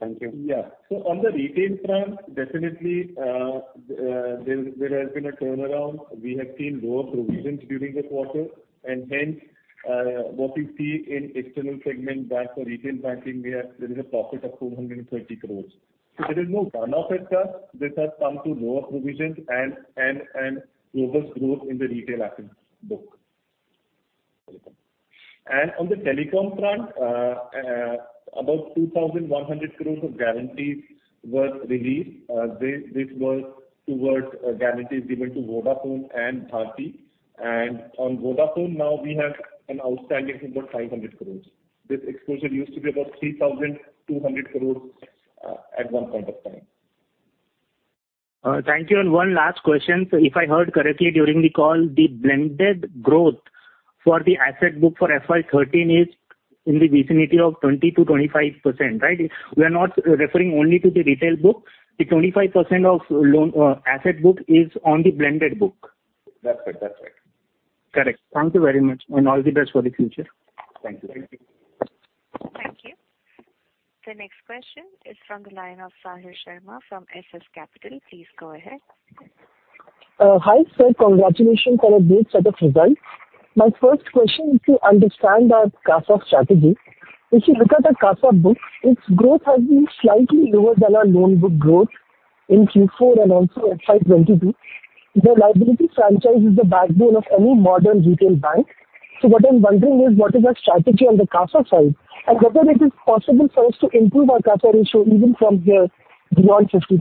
Thank you. Yeah. On the retail front, definitely, there has been a turnaround. We have seen lower provisions during this quarter, and hence what we see in external segment bank or retail banking, there is a profit of 230 crores. There is no burn-off itself. This has come to lower provisions and robust growth in the retail asset book. On the telecom front, about 2,100 crores of guarantees were released. This was towards guarantees given to Vodafone and Bharti. On Vodafone now we have an outstanding of about 500 crores. This exposure used to be about 3,200 crores at one point of time. Thank you. One last question. If I heard correctly during the call, the blended growth for the asset book for FY13 is in the vicinity of 20%-25%, right? We are not referring only to the retail book. The 25% of loan asset book is on the blended book. That's right. That's right. Correct. Thank you very much and all the best for the future. Thank you. Thank you. Thank you. The next question is from the line of Sahil Sharma from SS Capital. Please go ahead. Hi, sir. Congratulations on a good set of results. My first question is to understand our CASA strategy. If you look at the CASA book, its growth has been slightly lower than our loan book growth in Q4 and also FY22. The liability franchise is the backbone of any modern retail bank. What I'm wondering is what is our strategy on the CASA side? And whether it is possible for us to improve our CASA ratio even from here beyond 50%.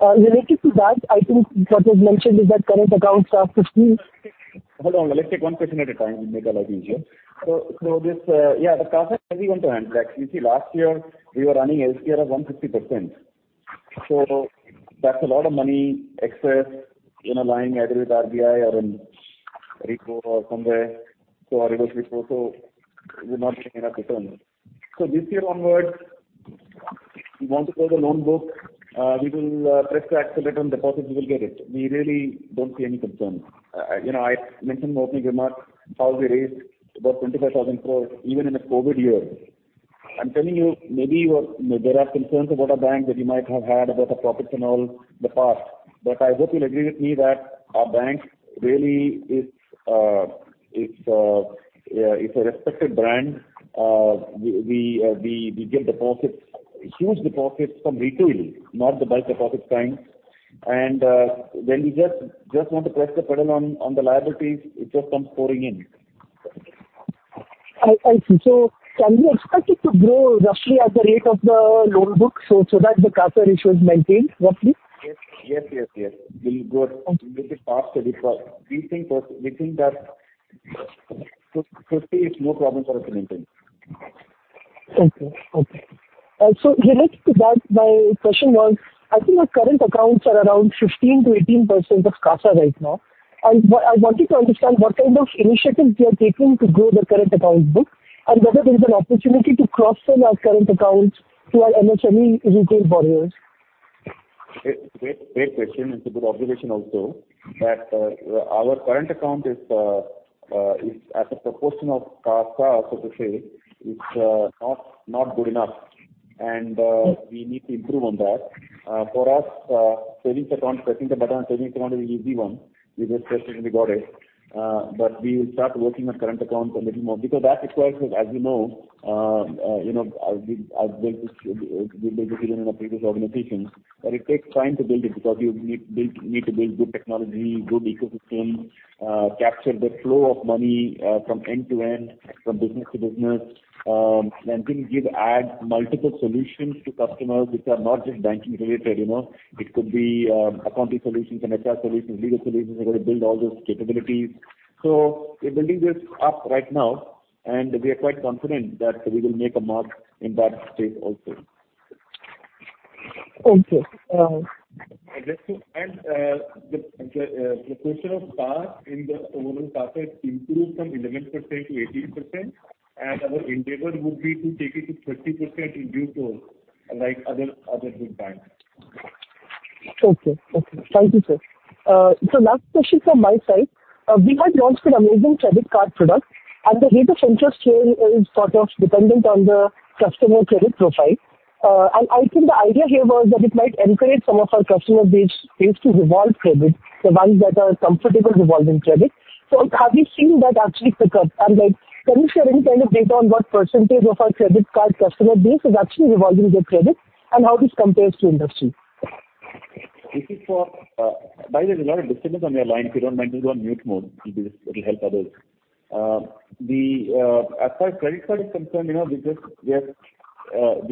Related to that, I think what was mentioned is that current accounts are 15- Hold on. Let's take one question at a time. It'll make our life easier. This, the CASA we want to handle. You see, last year we were running LCR of 150%. That's a lot of money excess, you know, lying either with RBI or in repo or somewhere or reverse repo, we're not getting enough return. This year onwards, we want to grow the loan book. We will press the accelerator on deposits, we will get it. We really don't see any concern. You know, I mentioned in opening remarks how we raised about 25,000 crore even in a COVID year. I'm telling you, maybe you are. There are concerns about our bank that you might have had about the profits and all in the past, but I hope you'll agree with me that our bank really is a respected brand. We get deposits, huge deposits from retail, not the bulk deposit clients. When we just want to press the pedal on the liabilities, it just comes pouring in. I see. Can we expect it to grow roughly at the rate of the loan book so that the CASA ratio is maintained roughly? Yes. We'll grow a little bit faster because we think that 50% is no problem for us to maintain. Related to that, my question was, I think our current accounts are around 15%-18% of CASA right now. I wanted to understand what kind of initiatives we are taking to grow the current accounts book and whether there is an opportunity to cross-sell our current accounts to our MSME retail borrowers. Great. Great question. It's a good observation also that our current account is as a proportion of CASA, so to say, it's not good enough and we need to improve on that. For us, pressing the button on savings account is easy one. We just pressed it and we got it. We will start working on current accounts a little more because that requires, as you know, you know, I've built this even in my previous organization, that it takes time to build it because you need to build good technology, good ecosystem, capture the flow of money from end to end, from business to business. Then add multiple solutions to customers which are not just banking related, you know. It could be, accounting solutions and HR solutions, legal solutions. We're gonna build all those capabilities. We're building this up right now and we are quite confident that we will make a mark in that space also. Okay. Just to add, the portion of CAR in the overall CASA improved from 11% to 18% and our endeavor would be to take it to 30% in due course like other good banks. Okay. Okay. Thank you, sir. Last question from my side. We had launched an amazing credit card product and the rate of interest here is sort of dependent on the customer credit profile. I think the idea here was that it might encourage some of our customer base to revolve credit, the ones that are comfortable revolving credit. Have we seen that actually pick up? And like, can you share any kind of data on what percentage of our credit card customer base is actually revolving their credit and how this compares to industry? By the way, there's a lot of disturbance on your line. If you don't mind, just go on mute mode. It'll just help others. As far as credit card is concerned, you know, we are in the first. If you don't mind, just go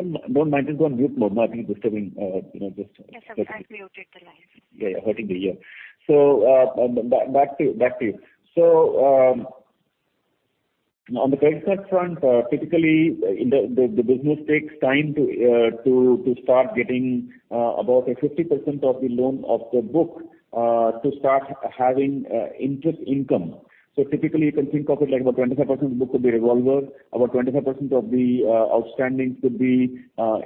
on mute mode. You are disturbing, you know, just. Yes, I've muted the line. Yeah, yeah. Hurting the ear. Back to you. On the credit card front, typically the business takes time to start getting about 50% of the loan book to start having interest income. Typically you can think of it like about 25% of the book could be revolver, about 25% of the outstanding could be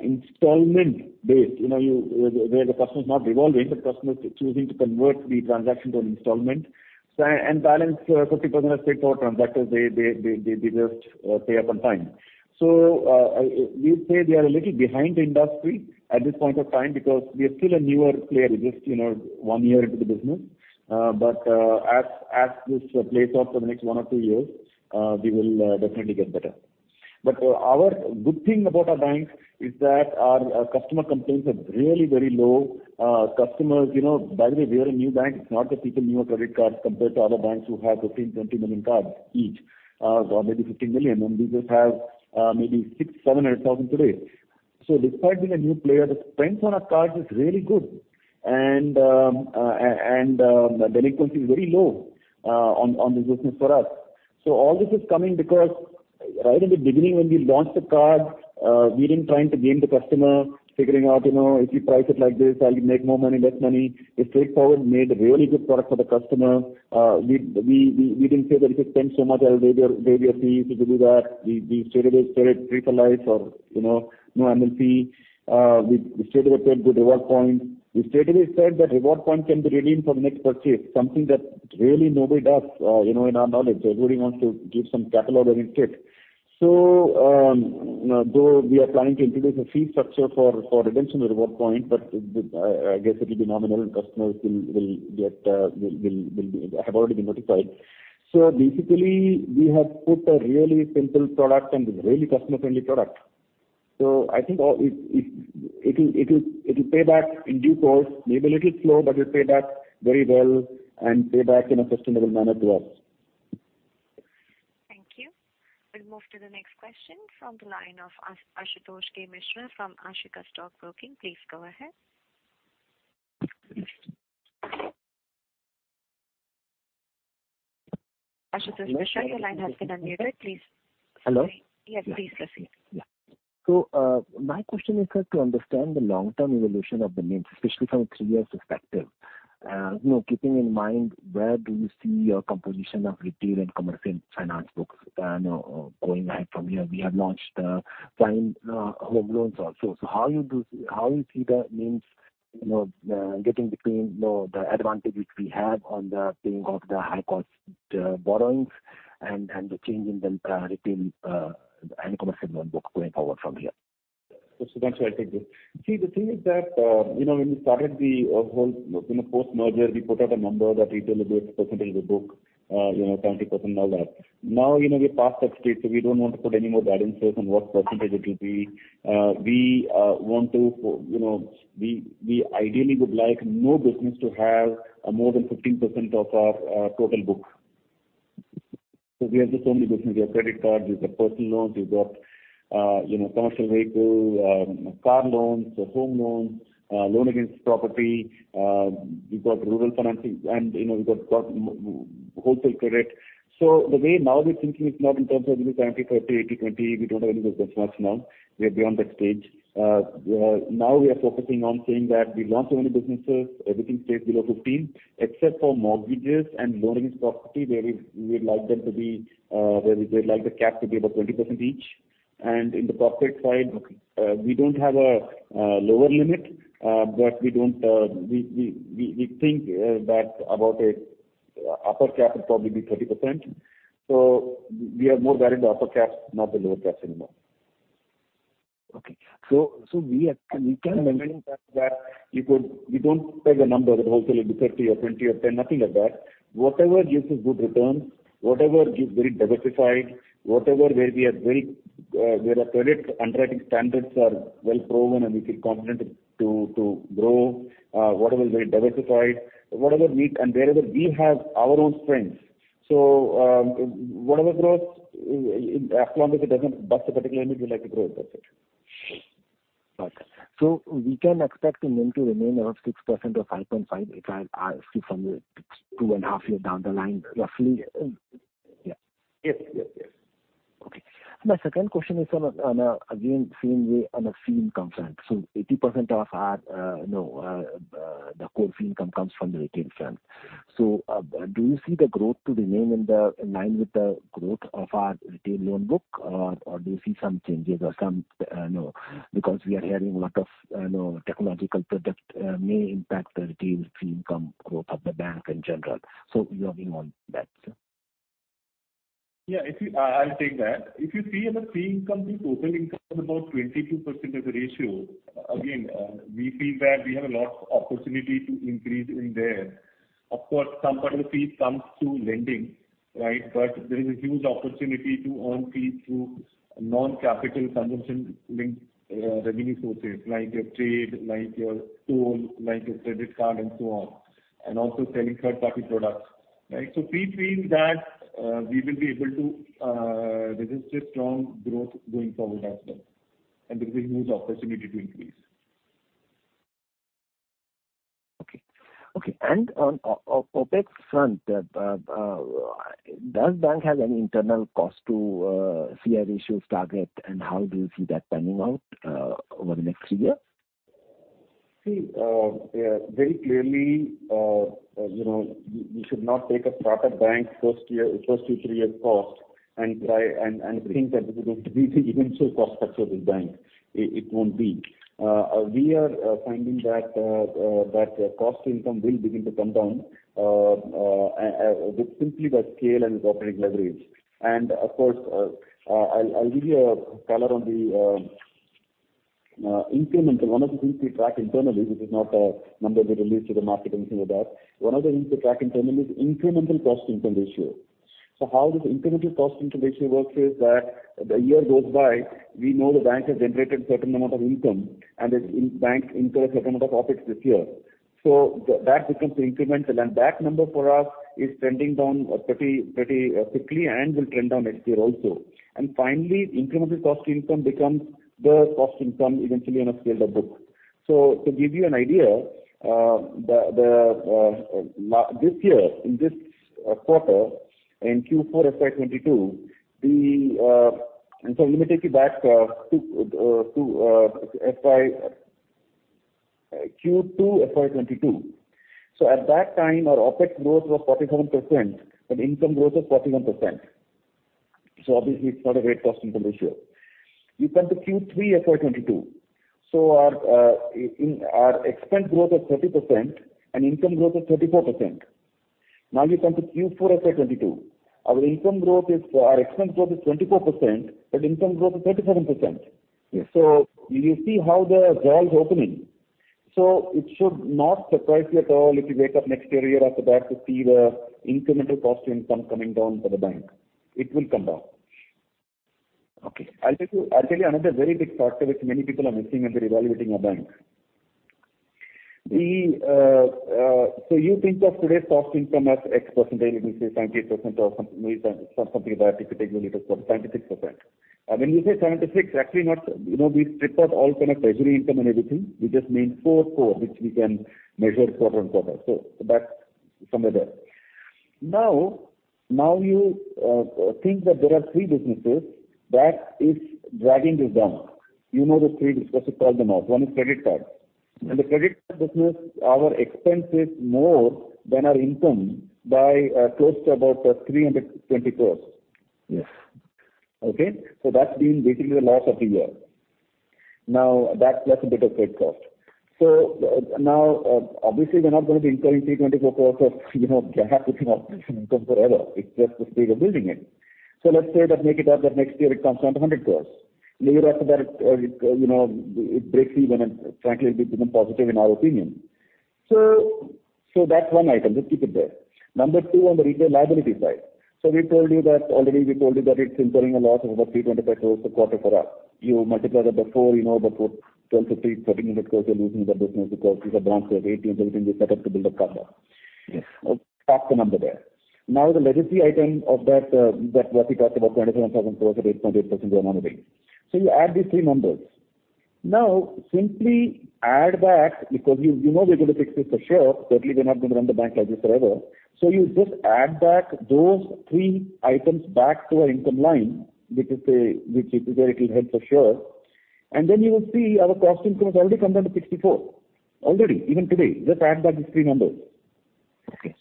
installment based. You know, where the customer is not revolving, but customer is choosing to convert the transaction to an installment. And balance 50% are straightforward transactions. They just pay up on time. We'd say we are a little behind the industry at this point of time because we are still a newer player. We're just, you know, one year into the business. As this plays out for the next one or two years, we will definitely get better. Our good thing about our bank is that our customer complaints are really very low. Customers, you know, by the way, we are a new bank. It's not that people knew our credit cards compared to other banks who have 15, 20 million cards each, or maybe 15 million, and we just have maybe 600,000-700,000 today. Despite being a new player, the spends on our cards is really good and the delinquency is very low on this business for us. All this is coming because right in the beginning when we launched the card, we didn't try to gain the customer figuring out, you know, if you price it like this, I'll make more money, less money. We straightforward made a really good product for the customer. We didn't say that if you spend so much, I'll waive your fees. If you do that, we straightaway said it's free for life or, you know, no AMC. We straightaway said good reward points. We straightaway said that reward points can be redeemed for the next purchase, something that really nobody does, you know, in our knowledge. Everybody wants to give some catalog or gift. Though we are planning to introduce a fee structure for redemption reward point, but I guess it'll be nominal. Customers will have already been notified. Basically, we have put a really simple product and really customer-friendly product. I think it'll pay back in due course. Maybe a little slow, but it'll pay back very well and pay back in a sustainable manner to us. Thank you. We'll move to the next question from the line of Ashutosh Mishra from Ashika Stock Broking. Please go ahead. Ashutosh Mishra, the line has been unmuted. Please. Hello? Yes, please proceed. Yeah. My question is, sir, to understand the long-term evolution of the NIMs, especially from a three-year perspective, you know, keeping in mind where do you see your composition of retail and commercial finance books, you know, going ahead from here? We have launched prime home loans also. How you see the NIMs, you know, getting between the advantage which we have on the paying of the high-cost borrowings and the change in the retail and commercial loan book going forward from here? Thanks. I'll take this. See, the thing is that, you know, when we started the whole, you know, post-merger, we put out a number that retail will be a percentage of the book, you know, 20% all that. Now, you know, we're past that stage, so we don't want to put any more guidelines as to what percentage it will be. We want to, you know, we ideally would like no business to have more than 15% of our total book. So we have this only business. We have credit cards. We've got personal loans. We've got, you know, commercial vehicle, car loans or home loans, loan against property. We've got rural financing and, you know, we've got wholesale credit. The way now we're thinking is not in terms of, you know, 20, 30, 80, 20. We don't have any of those benchmarks now. We are beyond that stage. Now we are focusing on saying that we launch so many businesses, everything stays below 15, except for mortgages and loan against property, where we like them to be, where we like the cap to be about 20% each. In the corporate side, we don't have a lower limit, but we think that about a upper cap would probably be 30%. We are more worried the upper caps, not the lower caps anymore. Okay. We don't take a number that wholesale will be 30 or 20 or 10, nothing like that. Whatever gives us good returns, whatever is very diversified, whatever where we are very, where our credit underwriting standards are well proven and we feel confident to grow, whatever is very diversified, whatever we and wherever we have our own strengths. Whatever grows, as long as it doesn't bust a particular limit, we like to grow it. That's it. Gotcha. We can expect the NIM to remain about 6% or 5.5%, if I see from a 2.5-year down the line, roughly? Yeah. Yes. Yes. Yes. Okay. My second question is again same way on the fee income front. 80% of our, you know, the core fee income comes from the retail front. Do you see the growth to remain in line with the growth of our retail loan book or do you see some changes or some, you know, because we are hearing a lot of, you know, technological product may impact the retail fee income growth of the bank in general. Your view on that, sir. I'll take that. If you see on the fee income, the total income is about 22% as a ratio. Again, we feel that we have a lot of opportunity to increase in there. Of course, some part of the fees comes through lending, right? But there is a huge opportunity to earn fees through non-capital consumption linked revenue sources, like your trade, like your tool, like your credit card and so on, and also selling third-party products, right? We feel that we will be able to register strong growth going forward as well. There is a huge opportunity to increase. Okay. On OpEx front, does bank have any internal cost to income ratio target, and how do you see that panning out over the next three year? Very clearly, you know, we should not take a startup bank first year, first two, three year cost and try and think that this is going to be the eventual cost structure of this bank. It won't be. We are finding that cost-income will begin to come down with simply by scale and operating leverage. Of course, I'll give you a color on the incremental, one of the things we track internally, this is not a number we release to the market or anything like that. One of the things we track internally is incremental cost-income ratio. How this incremental cost income ratio works is that the year goes by, we know the bank has generated a certain amount of income, and the bank has incurred a certain amount of costs this year. That becomes the incremental, and that number for us is trending down pretty quickly and will trend down next year also. Finally, incremental cost income becomes the cost income eventually as the book scales. To give you an idea, this year in this quarter in Q4 FY22, I'm sorry, let me take you back to FY Q2 FY22. At that time our OpEx growth was 47% and income growth was 41%. Obviously it's not a great cost income ratio. You come to Q3 FY 2022, so our expense growth was 30% and income growth was 34%. Now you come to Q4 FY 2022, our expense growth is 24%, but income growth is 27%. Yes. You see how the valve's opening. It should not surprise you at all if you wake up next year after that to see the incremental cost income coming down for the bank. It will come down. Okay. I'll tell you another very big factor which many people are missing when they're evaluating our bank. You think of today's cost income as X percentage, let me say 70% or something like 76% if you take into account. When we say 76, actually not, you know, we strip out all kind of treasury income and everything. We just mean core to core, which we can measure quarter-on-quarter. So that's somewhere there. Now you think that there are three businesses that is dragging this down. You know the three, let's just call them out. One is credit card. In the credit card business our expense is more than our income by close to about 320 crore. Yes. Okay? That's been basically the loss of the year. Now that plus a bit of credit cost. Now, obviously we're not gonna be incurring 324 crore of, you know, gap between our credit income forever. It's just the speed of building it. Let's say that make it up that next year it comes down to 100 crore. Year after that it breaks even and frankly it becomes positive in our opinion. That's one item. Just keep it there. Number two on the retail liability side. We told you that already. It's incurring a loss of about 325 crore per quarter for us. You multiply that by four, you know, that put 12-13 hundred, 1,300 crore we're losing in that business because these are branches, ATMs, everything we set up to build a partner. Yes. Let's park the number there. Now, the legacy item of that, what we talked about, 27,000 crore at 8.8% year-on-year rate. You add these three numbers. Now simply add back because you know we're gonna fix this for sure. Certainly we're not gonna run the bank like this forever. You just add back those three items back to our income line, which is where it will help for sure. Then you will see our cost income has already come down to 64%. Already, even today, just add back these three numbers. Okay.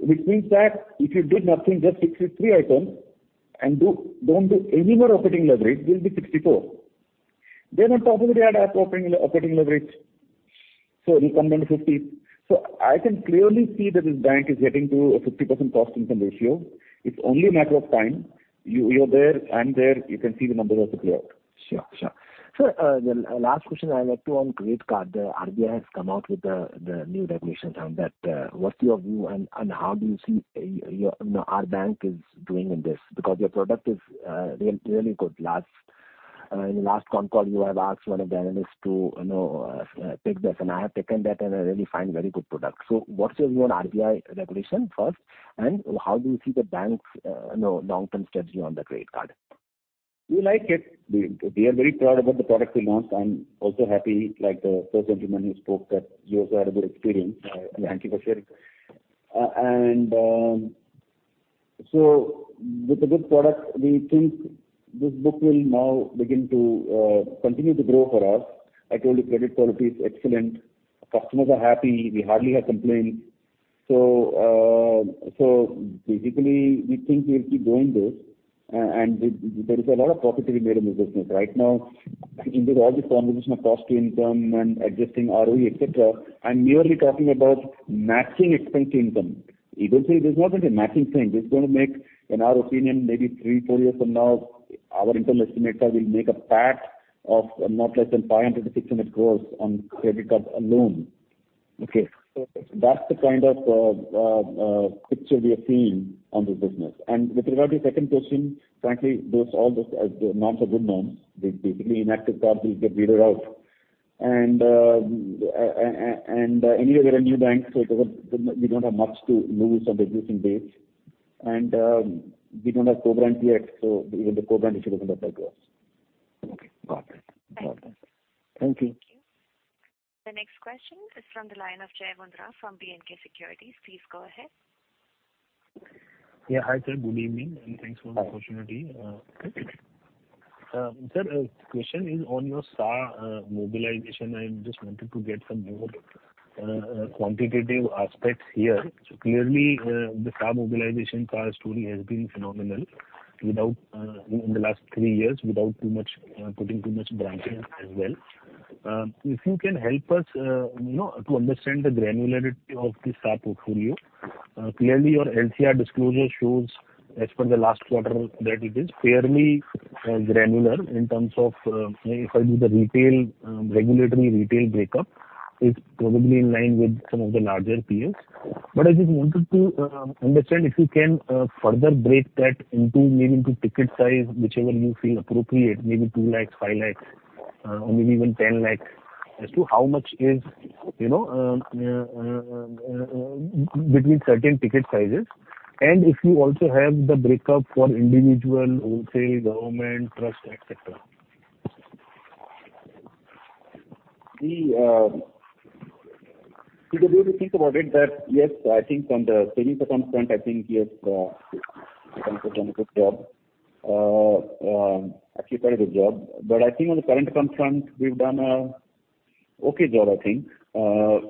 Which means that if you did nothing, just fix these three items and don't do any more operating leverage, we'll be 64. Then on top of it, we add our operating leverage, so it'll come down to 50. I can clearly see that this bank is getting to a 50% cost income ratio. It's only a matter of time. You, you're there, I'm there. You can see the numbers also play out. Sure. Sir, a last question I have to on credit card. The RBI has come out with the new regulations on that. What's your view and how do you see, you know, our bank is doing in this? Because your product is really good. Last, in the last con call, you have asked one of the analysts to, you know, take this, and I have taken that, and I really find very good product. What's your view on RBI regulation first, and how do you see the bank's, you know, long-term strategy on the credit card? We like it. We are very proud about the product we launched. I'm also happy, like the first gentleman who spoke, that you also had a good experience. Thank you for sharing. With a good product, we think this book will now begin to continue to grow for us. I told you credit quality is excellent. Customers are happy. We hardly have complaints. Basically we think we'll keep doing this. There is a lot of profit to be made in this business. Right now, with all this conversation of cost to income and adjusting ROE, et cetera, I'm merely talking about matching expense income. Eventually there's not going to be a matching thing. This is gonna make, in our opinion, maybe 3-4 years from now, our income estimate will make a PAT of not less than 500-600 crores on credit cards alone. Okay. That's the kind of picture we are seeing on this business. With regard to your second question, frankly, those norms are good norms. The inactive cards will get weeded out. Anyway we're a new bank, so it doesn't, we don't have much to lose on the losing base. We don't have co-brand yet, so even the co-brand issue doesn't apply to us. Okay. Got it. Thank you. Thank you. Thank you. The next question is from the line of Jai Mundhra from B&K Securities. Please go ahead. Yeah. Hi, sir. Good evening, and thanks for the opportunity. Sir, question is on your savings mobilization. I just wanted to get some more quantitative aspects here. Clearly, the savings mobilization savings story has been phenomenal without opening too many branches as well. If you can help us, you know, to understand the granularity of the savings portfolio. Clearly your LCR disclosure shows, as per the last quarter that it is fairly granular in terms of if I do the retail regulatory retail breakup, is probably in line with some of the larger peers. I just wanted to understand if you can further break that into maybe into ticket size, whichever you feel appropriate, maybe 2 lakhs, 5 lakhs, or maybe even 10 lakhs, as to how much is, you know, between certain ticket sizes. If you also have the break-up for individual, wholesale, government, trust, et cetera. If you really think about it, that yes, I think from the savings account front, I think, yes, we've done a good job. Actually quite a good job. I think on the current account front, we've done a okay job, I think,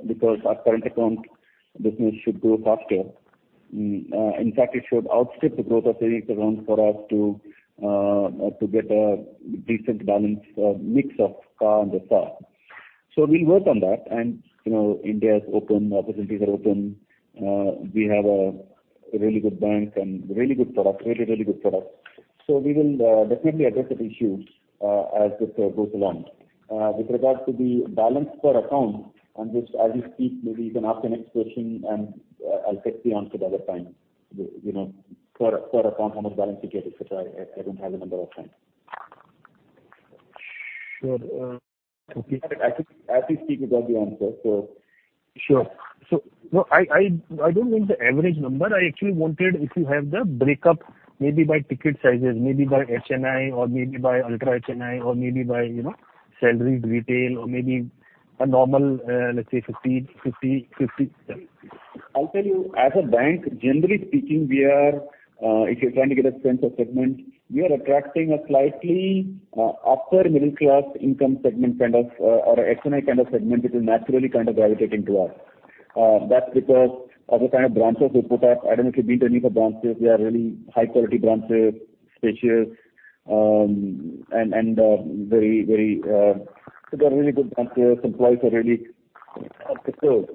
because our current account business should grow faster. In fact, it should outstrip the growth of savings account for us to get a decent balance, mix of CAR and the SAR. We'll work on that. You know, India is open, opportunities are open. We have a really good bank and really good product. We will definitely address the issues as this goes along. With regard to the balance per account, on which as we speak, maybe you can ask the next question and I'll take the answer another time. You know, per account how much balance you get, et cetera. I don't have the number offhand. Sure. Okay. I think Saptarshi will have the answer. Sure. No, I don't mean the average number. I actually wanted if you have the breakup, maybe by ticket sizes, maybe by HNI or maybe by ultra HNI or maybe by, you know, salaried retail or maybe a normal, let's say 50, 50. I'll tell you, as a bank, generally speaking, we are, if you're trying to get a sense of segment, we are attracting a slightly upper middle class income segment kind of, or HNI kind of segment, which is naturally kind of gravitating to us. That's because of the kind of branches we put up. I don't know if you've been to any of our branches. They are really high quality branches, spacious, and very, so they're really good branches. Employees are really up to speed.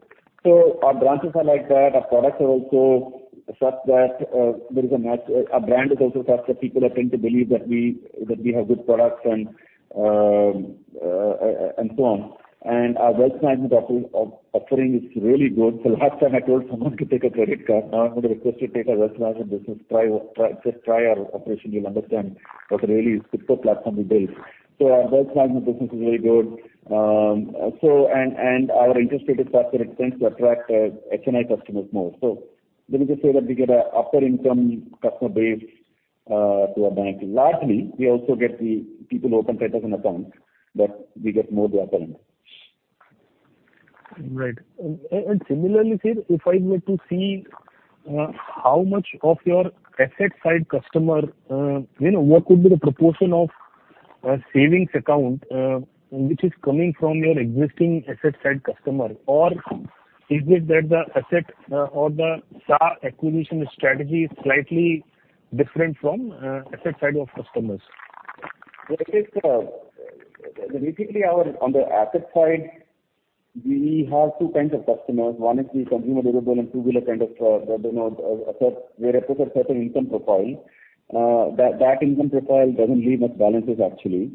So our branches are like that. Our products are also such that there is a match. Our brand is also such that people are going to believe that we have good products and so on. Our wealth management offering is really good. Last time I told someone to take a credit card, now I'm going to request you to take our wealth management business. Try, try, just try our operation, you'll understand what really is good platform we built. Our wealth management business is really good. Our interest rate is such that it tends to attract HNI customers more. Let me just say that we get a upper income customer base to our bank. Largely, we also get the people who open savings accounts, but we get more the upper end. Right. Similarly, sir, if I were to see how much of your asset side customer you know what could be the proportion of savings account which is coming from your existing asset side customer? Or is it that the asset or the SAR acquisition strategy is slightly different from asset side of customers? Basically, on the asset side, we have two kinds of customers. One is the consumer durable and two-wheeler kind of, you know, asset where it puts a certain income profile. That income profile doesn't leave much balances actually.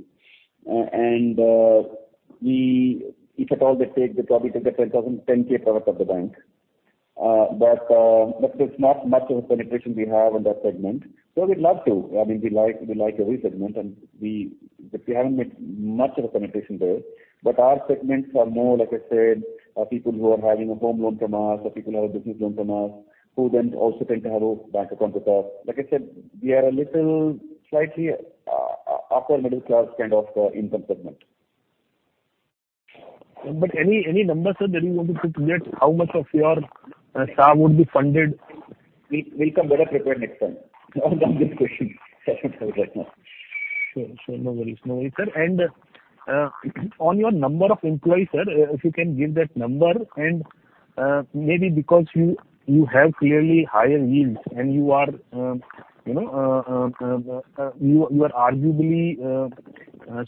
If at all they take, they probably take an 10,000, 10K product of the bank. But there's not much of a penetration we have in that segment. We'd love to. I mean, we like every segment and, but we haven't made much of a penetration there. Our segments are more, like I said, are people who are having a home loan from us or people who have a business loan from us, who then also tend to have a bank account with us. Like I said, we are a little slightly upper middle class kind of income segment. Any number, sir, that you want to put to that? How much of your SAR would be funded? We'll come better prepared next time on this question. Sure. No worries, sir. On your number of employees, sir, if you can give that number and maybe because you have clearly higher yields and you are, you know, you are arguably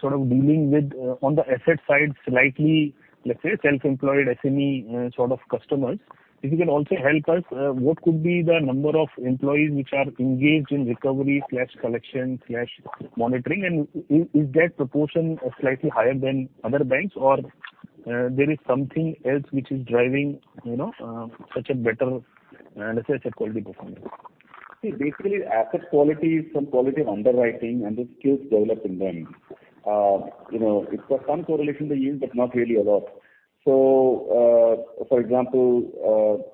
sort of dealing with on the asset side, slightly, let's say, self-employed SME sort of customers. If you can also help us, what could be the number of employees which are engaged in recovery/collection/monitoring? Is that proportion slightly higher than other banks? Or, there is something else which is driving, you know, such a better, let's say, such a quality performance? See, basically, asset quality is from quality of underwriting and the skills developed in them. You know, it's got some correlation to yield, but not really a lot. For example,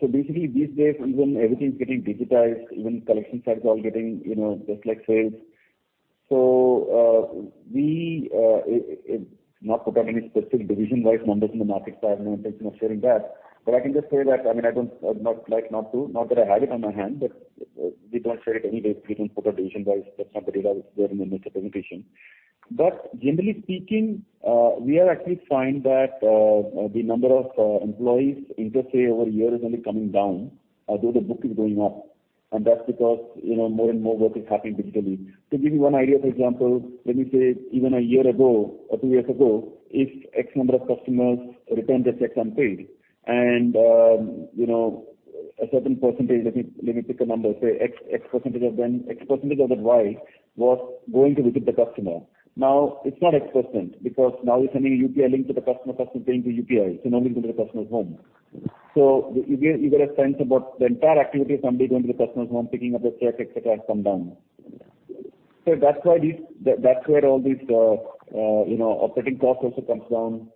basically these days even everything's getting digitized, even collection sides are all getting, you know, just like sales. We not put out any specific division-wise numbers in the market. I have no intention of sharing that. I can just say that, I mean, I don't, I would not like not to, not that I have it on my hand, but we don't share it anyways. We don't put out division-wise. That's not the data which we have in the next presentation. Generally speaking, we are actually finding that the number of employees per se over a year is only coming down, although the book is going up. That's because, you know, more and more work is happening digitally. To give you one idea, for example, let me say even a year ago or two years ago, if X number of customers returned a check unpaid and, you know, a certain percentage, let me pick a number, say x percentage of them, x percentage of that Y was going to visit the customer. Now, it's not x% because now we're sending a UPI link to the customer is paying through UPI. No need to go to the customer's home. You get a sense about the entire activity of somebody going to the customer's home, picking up the check, et cetera, has come down. That's why these. That's where all these, you know, operating costs also comes down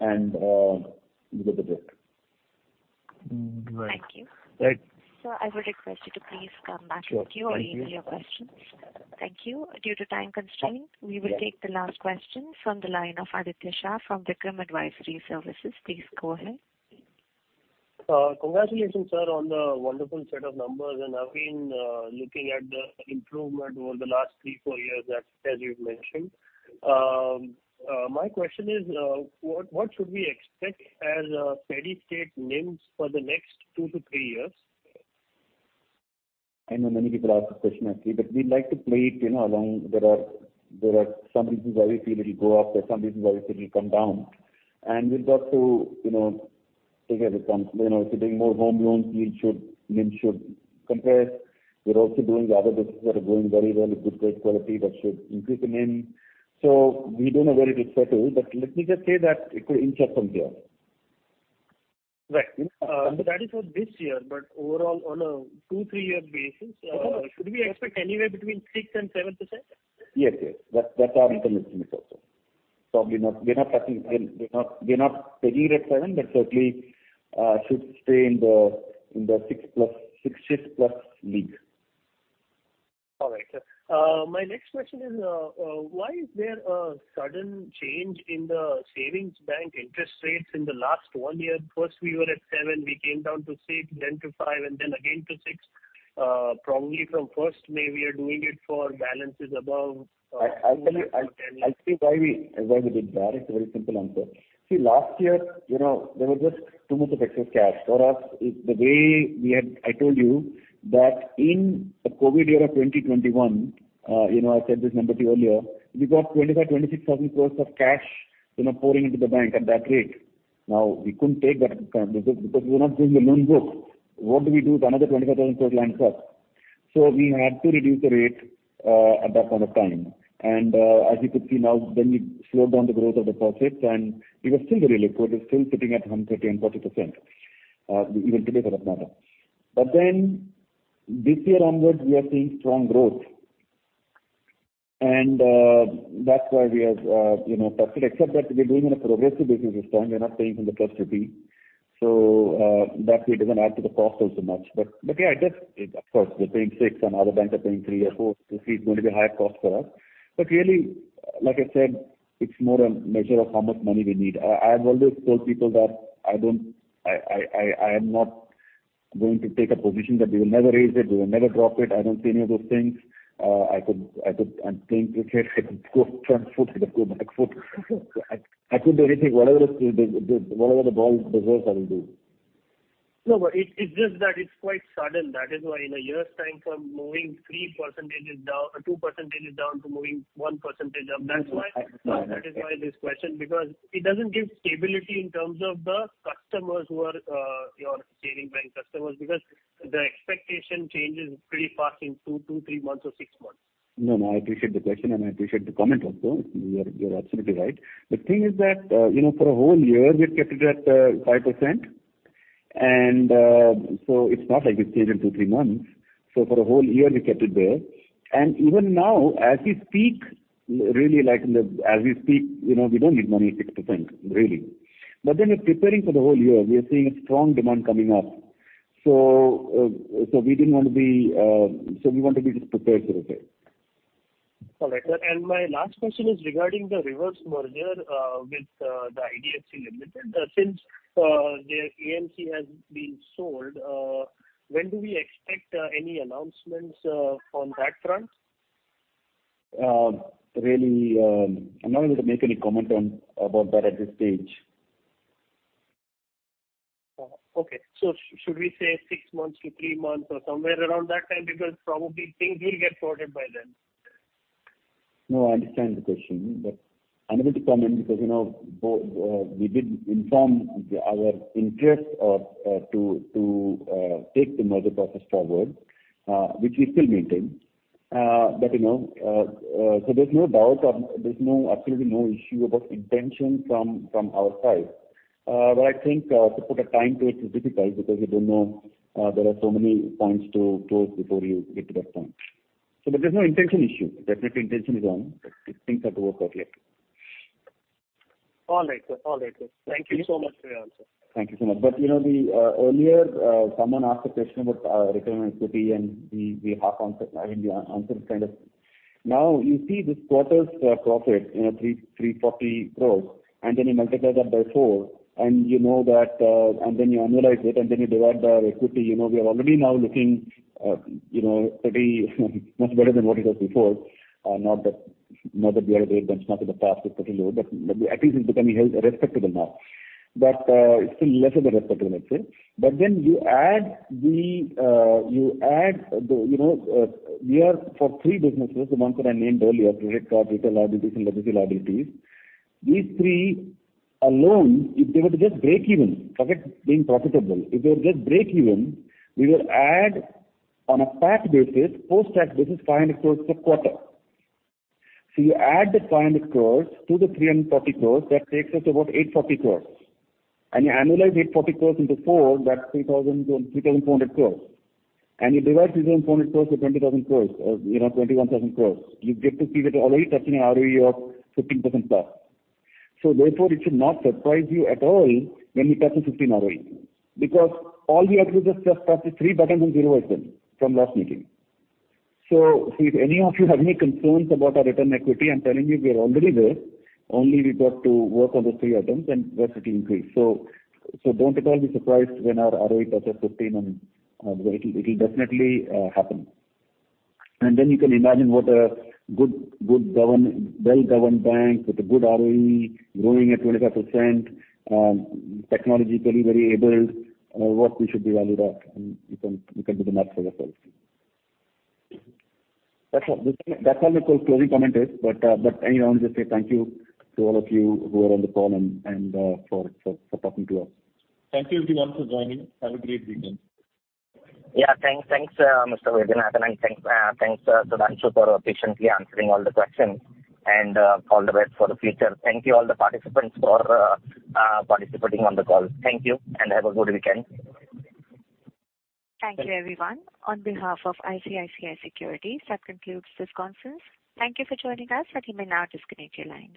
and you get the bit. Right. Thank you. Right. Sir, I would request you to please come back if you have any other questions. Sure. Thank you. Thank you. Due to time constraints. Yes. We will take the last question from the line of Aditya Shah from Vikram Advisory Services. Please go ahead. Congratulations, sir, on the wonderful set of numbers. I've been looking at the improvement over the last three, four years as you've mentioned. My question is, what should we expect as a steady state NIMs for the next two to three years? I know many people ask this question, actually, but we'd like to play it, you know, along. There are some reasons why we feel it'll go up, there are some reasons why we feel it'll come down. We've got to, you know, take as it comes. You know, if you're doing more home loans, yield should NIM should compress. We're also doing the other businesses that are doing very well with good credit quality. That should increase the NIM. We don't know where it will settle, but let me just say that it could inch up from here. Right. Mm-hmm. That is for this year, but overall, on a 2-3-year basis. Correct. Should we expect anywhere between 6% and 7%? Yes, yes. That's our internal estimate also. Probably not, we're not pegging at 7%, but certainly should stay in the 6%+, 6-ish%+ league. All right, sir. My next question is, why is there a sudden change in the savings bank interest rates in the last one year? First we were at 7%, we came down to 6%, then to 5%, and then again to 6%. Probably from first May, we are doing it for balances above. I'll tell you. INR 10 lakh. I'll tell you why we did that. It's a very simple answer. See, last year, you know, there was just too much of excess cash. For us, the way we had I told you that in the COVID year of 2021, you know, I said this number to you earlier, we got 25, 26 thousand crores of cash, you know, pouring into the bank at that rate. Now, we couldn't take that because we were not doing the loan book. What do we do with another 25 thousand crores lying stuck? We had to reduce the rate at that point of time. As you could see now, then we slowed down the growth of deposits and we were still very liquid. We're still sitting at 130-140%, even today for that matter. This year onwards, we are seeing strong growth and, that's why we have, you know, parked it. Except that we're doing in a progressive basis this time. We're not paying from the first rupee. So, that way it doesn't add to the cost also much. But yeah, just, of course, we're paying 6% and other banks are paying 3% or 4%. So see it's going to be a higher cost for us. But really, like I said, it's more a measure of how much money we need. I've always told people that I am not going to take a position that we will never raise it, we will never drop it. I don't say any of those things. I'm playing cricket. I could go front foot, I could go back foot. I could do anything. Whatever the ball deserves, I will do. No, but it's just that it's quite sudden. That is why in a year's time from moving 3% down, 2% down to moving 1% up, that's why. Yes. that is why this question because it doesn't give stability in terms of the customers who are your savings bank customers because the expectation changes pretty fast in two to three months or six months. No, no, I appreciate the question and I appreciate the comment also. You're absolutely right. The thing is that, you know, for a whole year we've kept it at 5% and so it's not like we changed in 2-3 months. For a whole year we kept it there. Even now as we speak, really like as we speak, you know, we don't need money at 6%, really. We're preparing for the whole year. We are seeing a strong demand coming up. We want to be just prepared for it. All right, sir. My last question is regarding the reverse merger with the IDFC Limited. Since their AMC has been sold, when do we expect any announcements on that front? Really, I'm not able to make any comment about that at this stage. Okay. Should we say six months to three months or somewhere around that time? Because probably things will get sorted by then. No, I understand the question, but I'm not going to comment because, you know, we did inform our interest to take the merger process forward, which we still maintain. You know, so there's no doubt or there's no, absolutely no issue about intention from our side. I think to put a time to it is difficult because you don't know, there are so many points to close before you get to that point. There's no intention issue. Definitely intention is on, but things have to work out correctly. All right, sir. Thank you so much for your answer. Thank you so much. You know, earlier someone asked a question about our return on equity, and the half concept. I mean, the answer is kind of now you see this quarter's profit, you know, 340 crores, and then you multiply that by four and you know that, and then you annualize it, and then you divide by our equity. You know, we are already now looking, you know, pretty much better than what it was before. Not that we are a great benchmark in the past, especially low, but at least it's becoming healthy respectable now. It's still lesser than respectable, let's say. You add the, you know, we are for three businesses, the ones that I named earlier, credit card, retail liabilities, and logistical liabilities. These three alone, if they were to just break even, forget being profitable, if they were just break even, we will add on a PAT basis, post-tax basis, 500 crores per quarter. You add the 500 crores to the 340 crores, that takes us to about 840 crores. You annualize 840 crores into four, that's 3,400 crores. You divide 3,400 crores to 20,000 crores, you know, 21,000 crores. You get to see that you're already touching a ROE of 15% plus. Therefore it should not surprise you at all when we touch a 15 ROE because all we have to do is just press three buttons and zero SMS from last meeting. See, if any of you have any concerns about our return equity, I'm telling you we are already there. Only we've got to work on those three items and that should increase. Don't at all be surprised when our ROE touches 15 and it'll definitely happen. Then you can imagine what a good well-governed bank with a good ROE growing at 25%, technologically very enabled, what we should be valued at, and you can do the math for yourself. That's all. That's all because closing comment is, but anyway, I'll just say thank you to all of you who are on the call and for talking to us. Thank you everyone for joining. Have a great weekend. Yeah. Thanks, Mr. Vaidyanathan, and thanks, Sudhanshu for patiently answering all the questions and all the best for the future. Thank you all the participants for participating on the call. Thank you, and have a good weekend. Thank you everyone. On behalf of ICICI Securities, that concludes this conference. Thank you for joining us and you may now disconnect your lines.